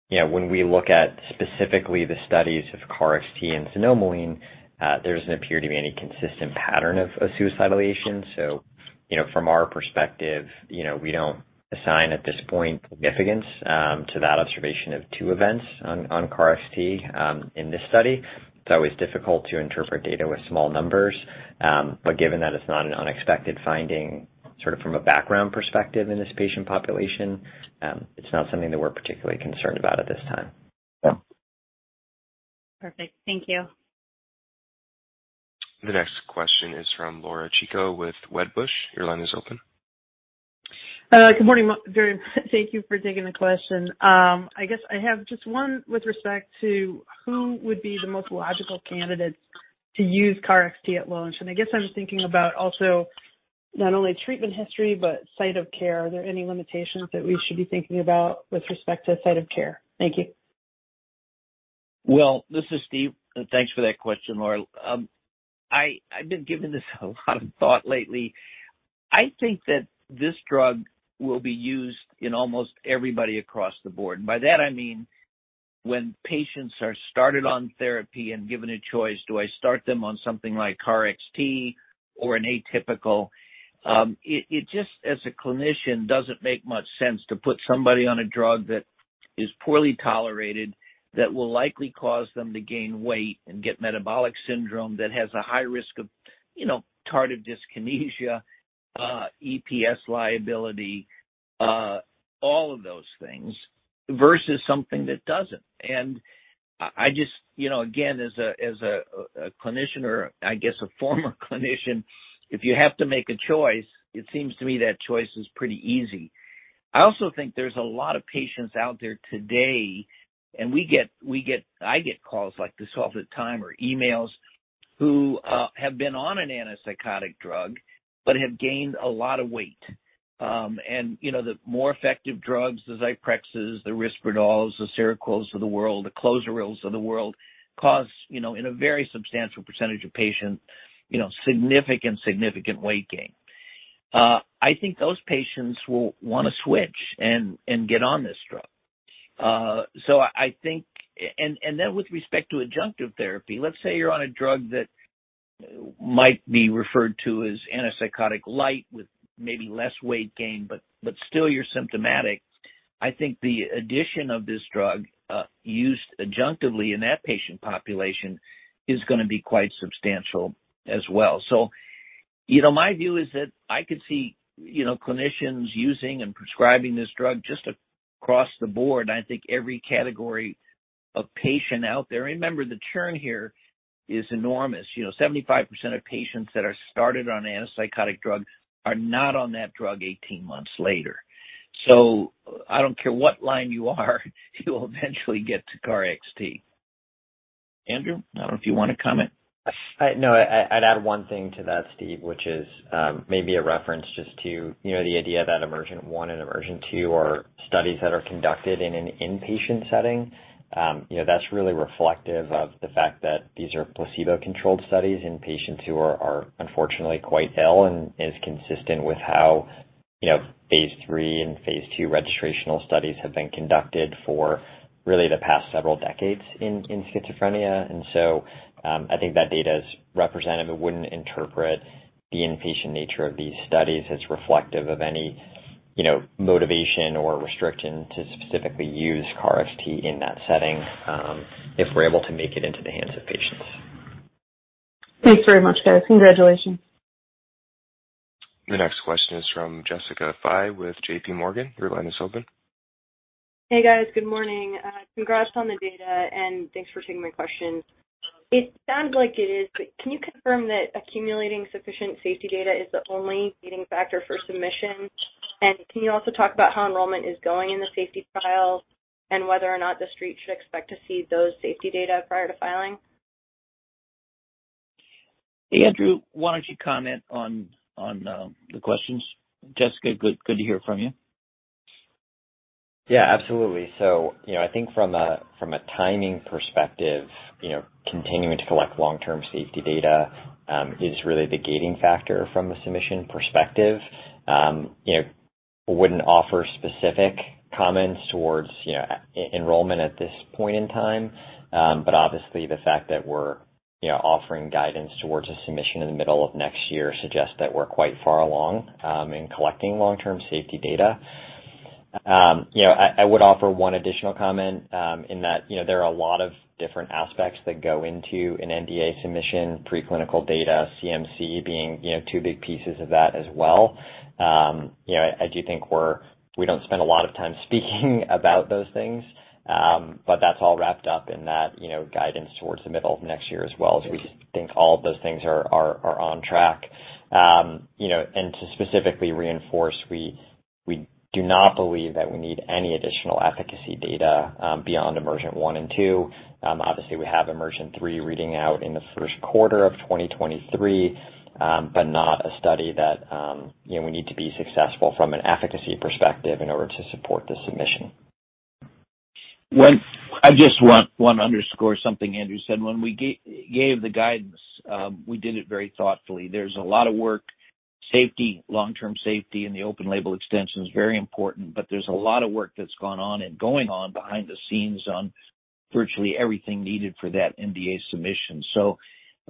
You know, when we look at specifically the studies of KarXT and xanomeline, there doesn't appear to be any consistent pattern of suicidal ideation. From our perspective, you know, we don't assign at this point significance to that observation of two events on KarXT in this study. It's always difficult to interpret data with small numbers. But given that it's not an unexpected finding sort of from a background perspective in this patient population, it's not something that we're particularly concerned about at this time. Perfect. Thank you. The next question is from Laura Chico with Wedbush. Your line is open. Good morning, everyone. Thank you for taking the question. I guess I have just one with respect to who would be the most logical candidate to use KarXT at launch, and I guess I'm thinking about also not only treatment history but site of care. Are there any limitations that we should be thinking about with respect to site of care? Thank you. Well, this is Steve. Thanks for that question, Laura. I've been giving this a lot of thought lately. I think that this drug will be used in almost everybody across the board. By that, I mean, when patients are started on therapy and given a choice, do I start them on something like KarXT or an atypical, it just as a clinician doesn't make much sense to put somebody on a drug that is poorly tolerated that will likely cause them to gain weight and get metabolic syndrome that has a high risk of, you know, tardive dyskinesia, EPS liability, all of those things versus something that doesn't. I just, you know, again, as a clinician or I guess a former clinician, if you have to make a choice, it seems to me that choice is pretty easy. I also think there's a lot of patients out there today, and I get calls like this all the time, or emails, who have been on an antipsychotic drug but have gained a lot of weight. You know, the more effective drugs, the Zyprexas, the Risperdal, the Seroquels of the world, the Clozarils of the world, cause you know, in a very substantial percentage of patients, you know, significant weight gain. I think those patients will wanna switch and get on this drug. With respect to adjunctive therapy, let's say you're on a drug that might be referred to as antipsychotic light with maybe less weight gain, but still you're symptomatic. I think the addition of this drug used adjunctively in that patient population is gonna be quite substantial as well. You know, my view is that I could see, you know, clinicians using and prescribing this drug just across the board, and I think every category of patient out there. Remember, the churn here is enormous. You know, 75% of patients that are started on antipsychotic drugs are not on that drug 18 months later. I don't care what line you are, you'll eventually get to KarXT. Andrew, I don't know if you want to comment. No. I'd add one thing to that, Steve, which is maybe a reference just to you know the idea that EMERGENT-1 and EMERGENT-2 are studies that are conducted in an inpatient setting. You know, that's really reflective of the fact that these are placebo-controlled studies in patients who are unfortunately quite ill and is consistent with how you know phase III and phase II registrational studies have been conducted for really the past several decades in schizophrenia. I think that data is representative. I wouldn't interpret the inpatient nature of these studies as reflective of any you know motivation or restriction to specifically use KarXT in that setting if we're able to make it into the hands of patients. Thanks very much, guys. Congratulations. The next question is from Jessica Fye with J.P. Morgan. Your line is open. Hey, guys. Good morning. Congrats on the data, and thanks for taking my questions. It sounds like it is, but can you confirm that accumulating sufficient safety data is the only leading factor for submission? And can you also talk about how enrollment is going in the safety trials and whether or not the Street should expect to see those safety data prior to filing? Hey, Andrew, why don't you comment on the questions? Jessica, good to hear from you. Yeah, absolutely. You know, I think from a timing perspective, you know, continuing to collect long-term safety data is really the gating factor from a submission perspective. You know, I wouldn't offer specific comments towards, you know, enrollment at this point in time. Obviously, the fact that we're, you know, offering guidance towards a submission in the middle of next year suggests that we're quite far along in collecting long-term safety data. You know, I would offer one additional comment in that, you know, there are a lot of different aspects that go into an NDA submission, preclinical data, CMC being, you know, two big pieces of that as well. You know, I do think we don't spend a lot of time speaking about those things, but that's all wrapped up in that, you know, guidance towards the middle of next year as well, as we think all of those things are on track. You know, to specifically reinforce, we do not believe that we need any additional efficacy data beyond EMERGENT-1 and EMERGENT-2. Obviously, we have EMERGENT-3 reading out in the first quarter of 2023, but not a study that, you know, we need to be successful from an efficacy perspective in order to support the submission. I just want to underscore something Andrew said. When we gave the guidance, we did it very thoughtfully. There's a lot of work. Safety, long-term safety in the open label extension is very important, but there's a lot of work that's gone on and going on behind the scenes on virtually everything needed for that NDA submission.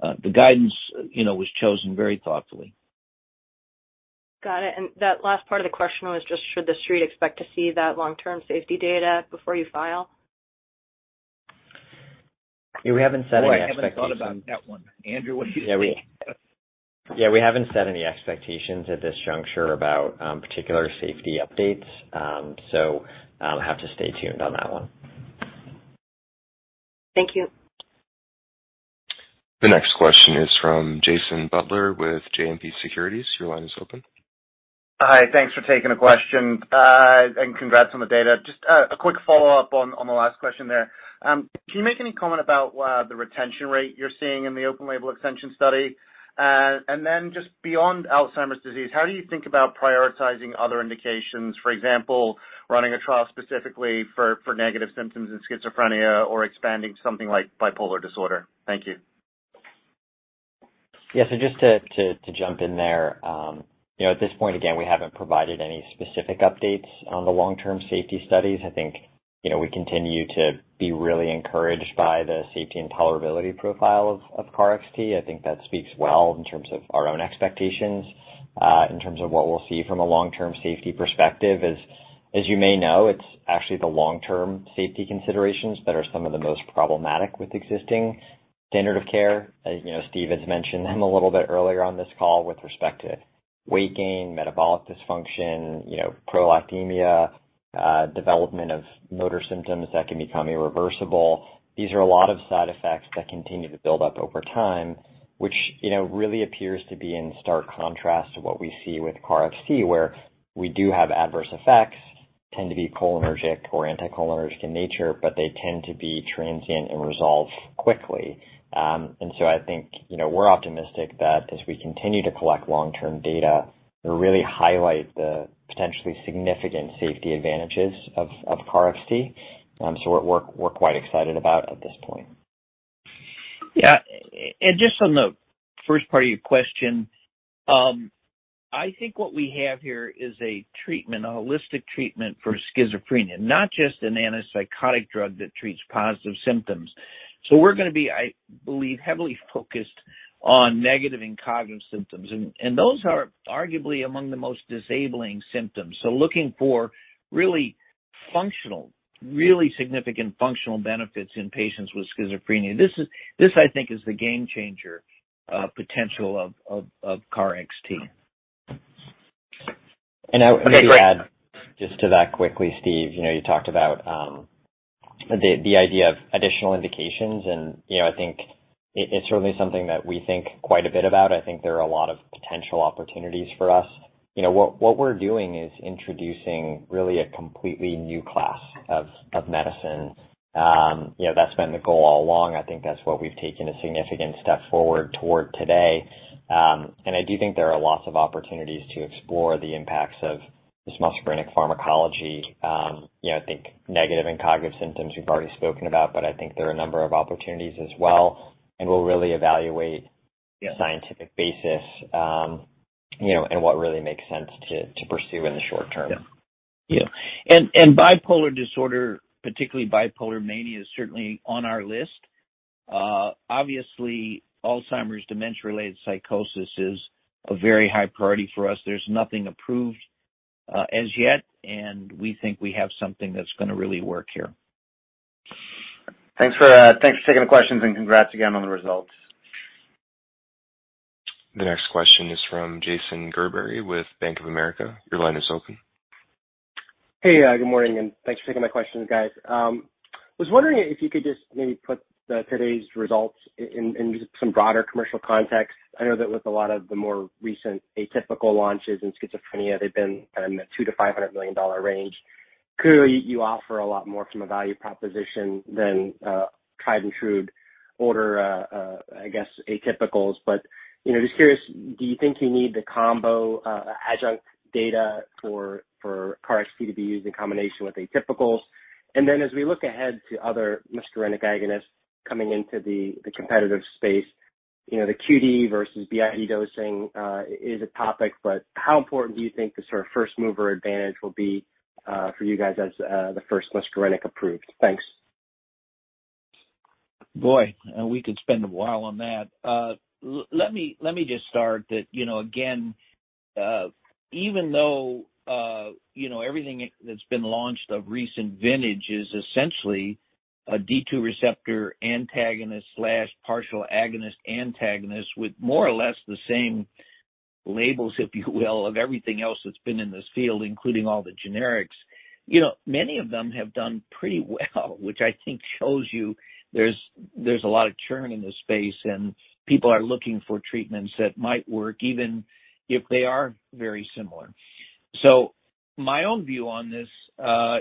The guidance, you know, was chosen very thoughtfully. Got it. That last part of the question was just, should the Street expect to see that long-term safety data before you file? Yeah, we haven't set any expectations. Boy, I haven't thought about that one. Andrew, what do you think? Yeah, we haven't set any expectations at this juncture about particular safety updates, so have to stay tuned on that one. Thank you. The next question is from Jason Butler with JMP Securities. Your line is open. Hi. Thanks for taking the question. Congrats on the data. Just a quick follow-up on the last question there. Can you make any comment about the retention rate you're seeing in the open label extension study? Just beyond Alzheimer's disease, how do you think about prioritizing other indications? For example, running a trial specifically for negative symptoms in schizophrenia or expanding something like bipolar disorder. Thank you. Yeah. Just to jump in there, you know, at this point, again, we haven't provided any specific updates on the long-term safety studies. I think, you know, we continue to be really encouraged by the safety and tolerability profile of KarXT. I think that speaks well in terms of our own expectations in terms of what we'll see from a long-term safety perspective. As you may know, it's actually the long-term safety considerations that are some of the most problematic with existing standard of care. As you know, Steve has mentioned them a little bit earlier on this call with respect to weight gain, metabolic dysfunction, you know, hyperprolactinemia, development of motor symptoms that can become irreversible. These are a lot of side effects that continue to build up over time, which, you know, really appears to be in stark contrast to what we see with KarXT, where we do have adverse effects, tend to be cholinergic or anticholinergic in nature, but they tend to be transient and resolve quickly. I think, you know, we're optimistic that as we continue to collect long-term data, it'll really highlight the potentially significant safety advantages of KarXT. We're quite excited about at this point. Yeah. Just on the first part of your question, I think what we have here is a treatment, a holistic treatment for schizophrenia, not just an antipsychotic drug that treats positive symptoms. We're gonna be, I believe, heavily focused on negative and cognitive symptoms. Those are arguably among the most disabling symptoms. Looking for really functional, really significant functional benefits in patients with schizophrenia. This I think is the game changer, potential of KarXT. Okay, great. I would add just to that quickly, Steve. You know, you talked about the idea of additional indications and, you know, I think it's certainly something that we think quite a bit about. I think there are a lot of potential opportunities for us. You know, what we're doing is introducing really a completely new class of medicine. You know, that's been the goal all along. I think that's what we've taken a significant step forward toward today. I do think there are lots of opportunities to explore the impacts of this muscarinic pharmacology. You know, I think negative and cognitive symptoms you've already spoken about, but I think there are a number of opportunities as well, and we'll really evaluate. Yeah the scientific basis, you know, and what really makes sense to pursue in the short term. Yeah. Bipolar disorder, particularly bipolar mania, is certainly on our list. Obviously, Alzheimer's dementia-related psychosis is a very high priority for us. There's nothing approved as yet, and we think we have something that's gonna really work here. Thanks for that. Thanks for taking the questions, and congrats again on the results. The next question is from Jason Gerberry with Bank of America. Your line is open. Hey, good morning, and thanks for taking my questions, guys. Was wondering if you could just maybe put today's results in in just some broader commercial context. I know that with a lot of the more recent atypical launches in schizophrenia, they've been in the $200 million-$500 million range. Clearly, you offer a lot more from a value proposition than tried and true older, I guess atypicals. You know, just curious, do you think you need the combo adjunct data for KarXT to be used in combination with atypicals? As we look ahead to other muscarinic agonists coming into the competitive space. You know, the QD versus BID dosing is a topic, but how important do you think the sort of first mover advantage will be for you guys as the first muscarinic approved? Thanks. Boy, we could spend a while on that. Let me just start that, you know, again, even though, you know, everything that's been launched of recent vintage is essentially a D2 receptor antagonist/partial agonist antagonist with more or less the same labels, if you will, of everything else that's been in this field, including all the generics. You know, many of them have done pretty well, which I think shows you there's a lot of churn in this space, and people are looking for treatments that might work, even if they are very similar. My own view on this,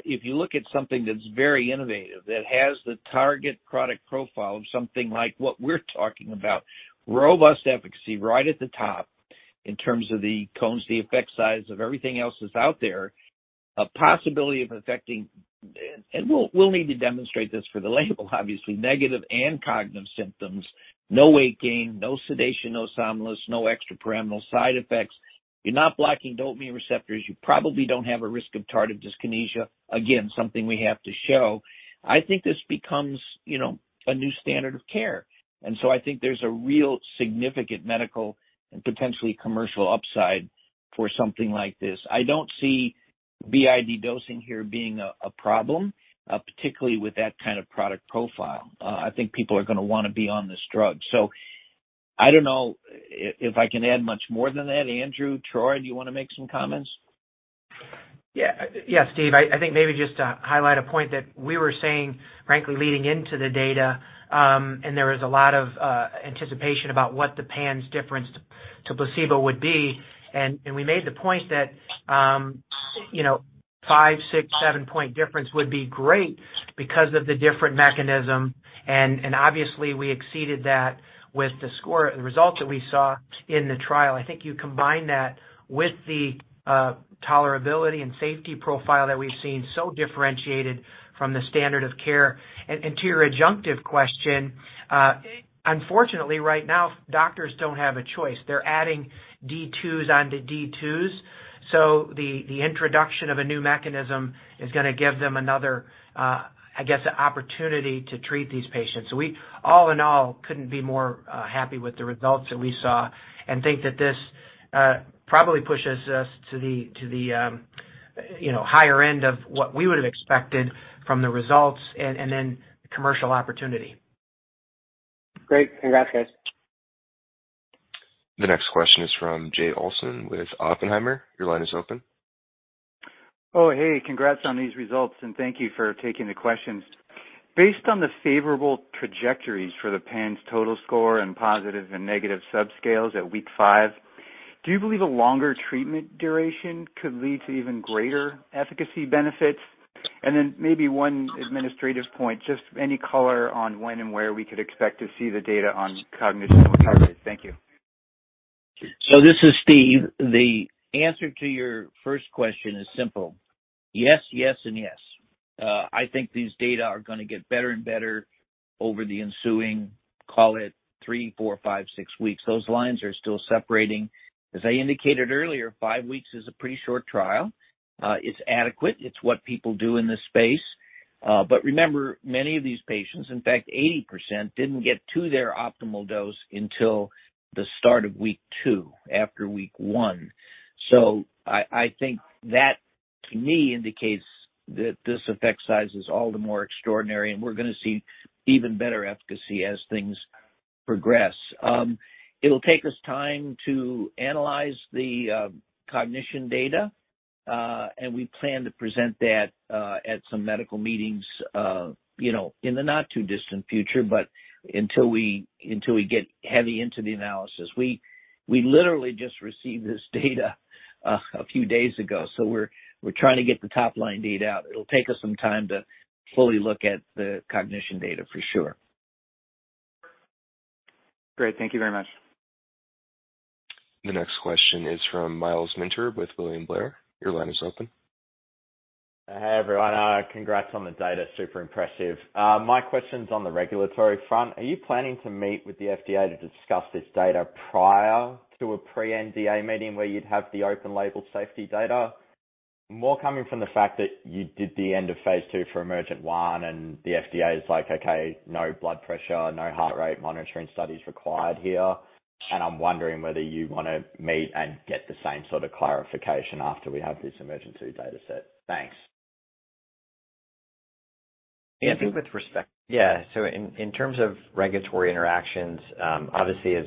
if you look at something that's very innovative, that has the target product profile of something like what we're talking about, robust efficacy right at the top in terms of the Cohen's, the effect size of everything else that's out there, a possibility of affecting, and we'll need to demonstrate this for the label, obviously, negative and cognitive symptoms. No weight gain, no sedation, no somnolence, no extrapyramidal side effects. You're not blocking dopamine receptors. You probably don't have a risk of tardive dyskinesia. Again, something we have to show. I think this becomes, you know, a new standard of care. I think there's a real significant medical and potentially commercial upside for something like this. I don't see BID dosing here being a problem, particularly with that kind of product profile. I think people are gonna wanna be on this drug. I don't know if I can add much more than that. Andrew, Troy, do you wanna make some comments? Yeah. Yeah, Steve. I think maybe just to highlight a point that we were saying, frankly, leading into the data, and there was a lot of anticipation about what the PANSS difference to placebo would be. We made the point that, you know, five, six, seven point difference would be great because of the different mechanism, and obviously we exceeded that with the score, the results that we saw in the trial. I think you combine that with the tolerability and safety profile that we've seen so differentiated from the standard of care. To your adjunctive question, unfortunately right now doctors don't have a choice. They're adding D2s onto D2s. The introduction of a new mechanism is gonna give them another, I guess, an opportunity to treat these patients. We all in all couldn't be more happy with the results that we saw and think that this probably pushes us to the you know higher end of what we would have expected from the results and then commercial opportunity. Great. Congrats, guys. The next question is from Jay Olson with Oppenheimer. Your line is open. Oh, hey, congrats on these results, and thank you for taking the questions. Based on the favorable trajectories for the PANSS total score and positive and negative subscales at week five, do you believe a longer treatment duration could lead to even greater efficacy benefits? Maybe one administrative point, just any color on when and where we could expect to see the data on cognition recovery. Thank you. This is Steve. The answer to your first question is simple: Yes, yes and yes. I think these data are gonna get better and better over the ensuing, call it three, four, five, six weeks. Those lines are still separating. As I indicated earlier, five weeks is a pretty short trial. It's adequate. It's what people do in this space. But remember, many of these patients, in fact, 80% didn't get to their optimal dose until the start of week two, after week one. I think that, to me, indicates that this effect size is all the more extraordinary, and we're gonna see even better efficacy as things progress. It'll take us time to analyze the cognition data, and we plan to present that at some medical meetings, you know, in the not too distant future. Until we get heavy into the analysis. We literally just received this data a few days ago. We're trying to get the top-line data out. It'll take us some time to fully look at the cognition data for sure. Great. Thank you very much. The next question is from Myles Minter with William Blair. Your line is open. Hey, everyone. Congrats on the data. Super impressive. My question's on the regulatory front. Are you planning to meet with the FDA to discuss this data prior to a pre-NDA meeting where you'd have the open label safety data? More coming from the fact that you did the end of phase II for EMERGENT-1, and the FDA is like, "Okay, no blood pressure, no heart rate monitoring studies required here." I'm wondering whether you wanna meet and get the same sort of clarification after we have this EMERGENT data set. Thanks. I think with respect. In terms of regulatory interactions, obviously as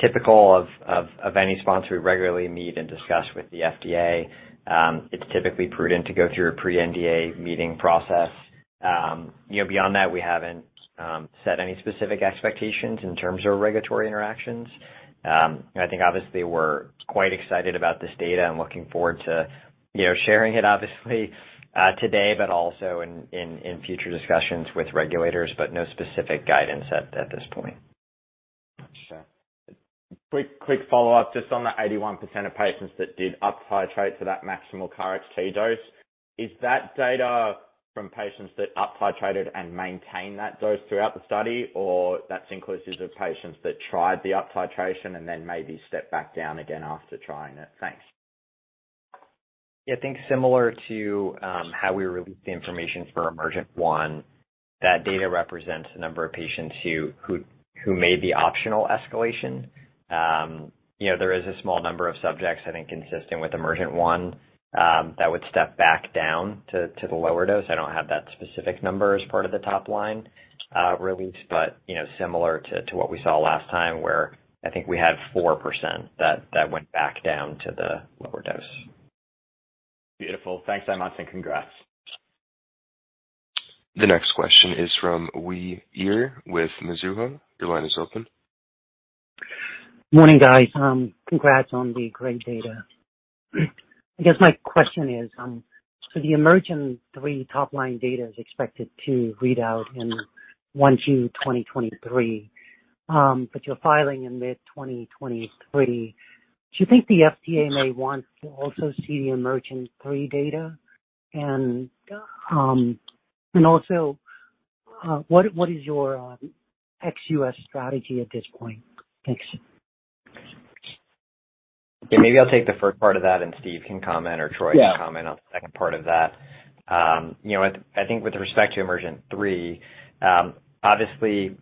typical of any sponsor, we regularly meet and discuss with the FDA. It's typically prudent to go through a pre-NDA meeting process. You know, beyond that, we haven't set any specific expectations in terms of regulatory interactions. I think obviously we're quite excited about this data and looking forward to sharing it obviously today, but also in future discussions with regulators, but no specific guidance at this point. Gotcha. Quick, quick follow-up just on the 81% of patients that did up titrate to that maximal KarXT dose. Is that data from patients that up titrated and maintained that dose throughout the study, or that's inclusive of patients that tried the up titration and then maybe stepped back down again after trying it? Thanks. Yeah, I think similar to how we released the information for EMERGENT-1, that data represents the number of patients who made the optional escalation. You know, there is a small number of subjects, I think, consistent with EMERGENT-1, that would step back down to the lower dose. I don't have that specific number as part of the top line released, but you know, similar to what we saw last time where I think we had 4% that went back down to the lower dose. Beautiful. Thanks, Andrew Miller, and congrats. The next question is from Vamil Divan with Mizuho. Your line is open. Morning, guys. Congrats on the great data. I guess my question is, the EMERGENT-3 top line data is expected to read out in 1Q 2023. But you're filing in mid-2023. Do you think the FDA may want to also see the EMERGENT-3 data? And also, what is your ex-US strategy at this point? Thanks. Yeah, maybe I'll take the first part of that, and Steve can comment or Troy. Yeah. I can comment on the second part of that. You know, I think with respect to EMERGENT-3, obviously,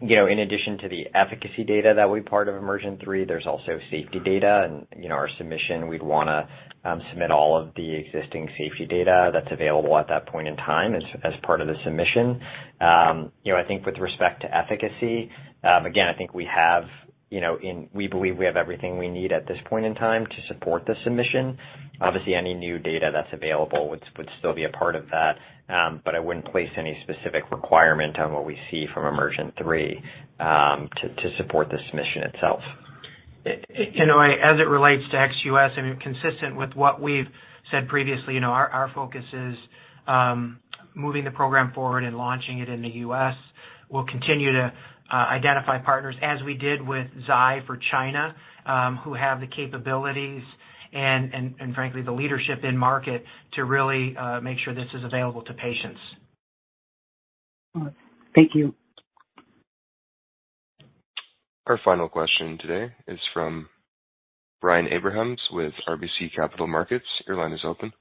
you know, in addition to the efficacy data that will be part of EMERGENT-3, there's also safety data. You know, our submission we'd want to submit all of the existing safety data that's available at that point in time as part of the submission. You know, I think with respect to efficacy, again, I think we have, you know, we believe we have everything we need at this point in time to support the submission. Obviously, any new data that's available would still be a part of that. I wouldn't place any specific requirement on what we see from EMERGENT-3 to support the submission itself. You know, as it relates to ex-U.S. and consistent with what we've said previously, you know, our focus is moving the program forward and launching it in the U.S. We'll continue to identify partners, as we did with Zai for China, who have the capabilities and frankly, the leadership in market to really make sure this is available to patients. All right. Thank you. Our final question today is from Brian Abrahams with RBC Capital Markets. Your line is open.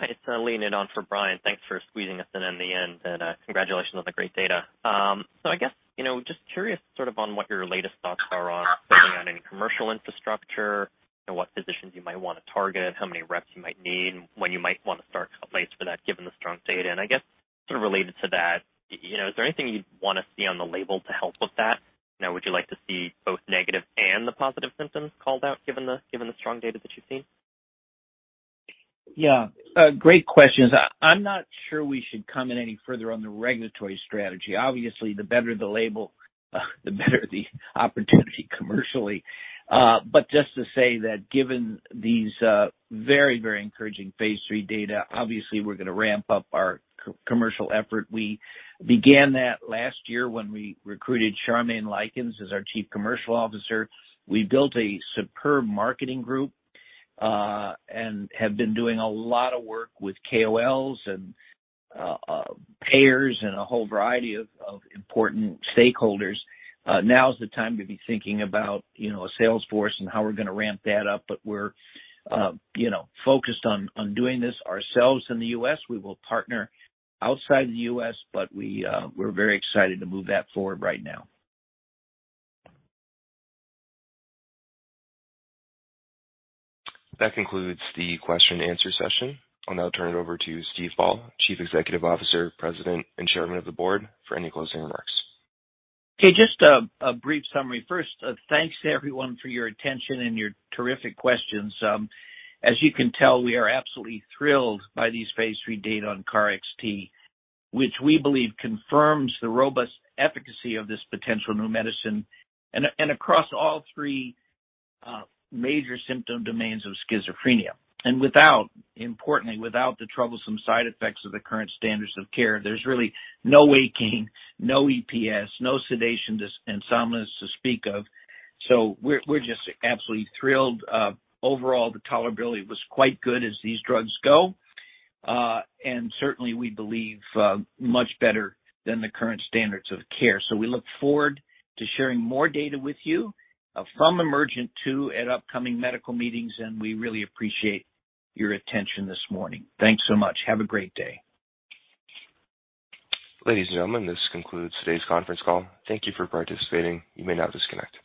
Hi, it's Leon in for Brian. Thanks for squeezing us in in the end, and congratulations on the great data. So I guess, you know, just curious sort of on what your latest thoughts are on building out any commercial infrastructure and what positions you might wanna target, how many reps you might need, and when you might wanna start outlays for that given the strong data. I guess sort of related to that, you know, is there anything you'd wanna see on the label to help with that? You know, would you like to see both negative and the positive symptoms called out, given the strong data that you've seen? Yeah. Great questions. I'm not sure we should comment any further on the regulatory strategy. Obviously, the better the label, the better the opportunity commercially. Just to say that given these very, very encouraging phase III data, obviously we're gonna ramp up our commercial effort. We began that last year when we recruited Charmaine Lykins-Hollingsworth as our Chief Commercial Officer. We built a superb marketing group and have been doing a lot of work with KOLs and payers and a whole variety of important stakeholders. Now is the time to be thinking about, you know, a sales force and how we're gonna ramp that up. We're, you know, focused on doing this ourselves in the US. We will partner outside the US, but we're very excited to move that forward right now. That concludes the question and answer session. I'll now turn it over to Steve Paul, Chief Executive Officer, President, and Chairman of the Board, for any closing remarks. Okay. Just a brief summary. First, thanks to everyone for your attention and your terrific questions. As you can tell, we are absolutely thrilled by these phase III data on KarXT, which we believe confirms the robust efficacy of this potential new medicine and across all 3 major symptom domains of schizophrenia. Without, importantly, without the troublesome side effects of the current standards of care, there's really no akathisia, no EPS, no sedation, insomnia to speak of. We're just absolutely thrilled. Overall, the tolerability was quite good as these drugs go. Certainly we believe much better than the current standards of care. We look forward to sharing more data with you from EMERGENT-2 at upcoming medical meetings, and we really appreciate your attention this morning. Thanks so much. Have a great day. Ladies and gentlemen, this concludes today's conference call. Thank you for participating. You may now disconnect.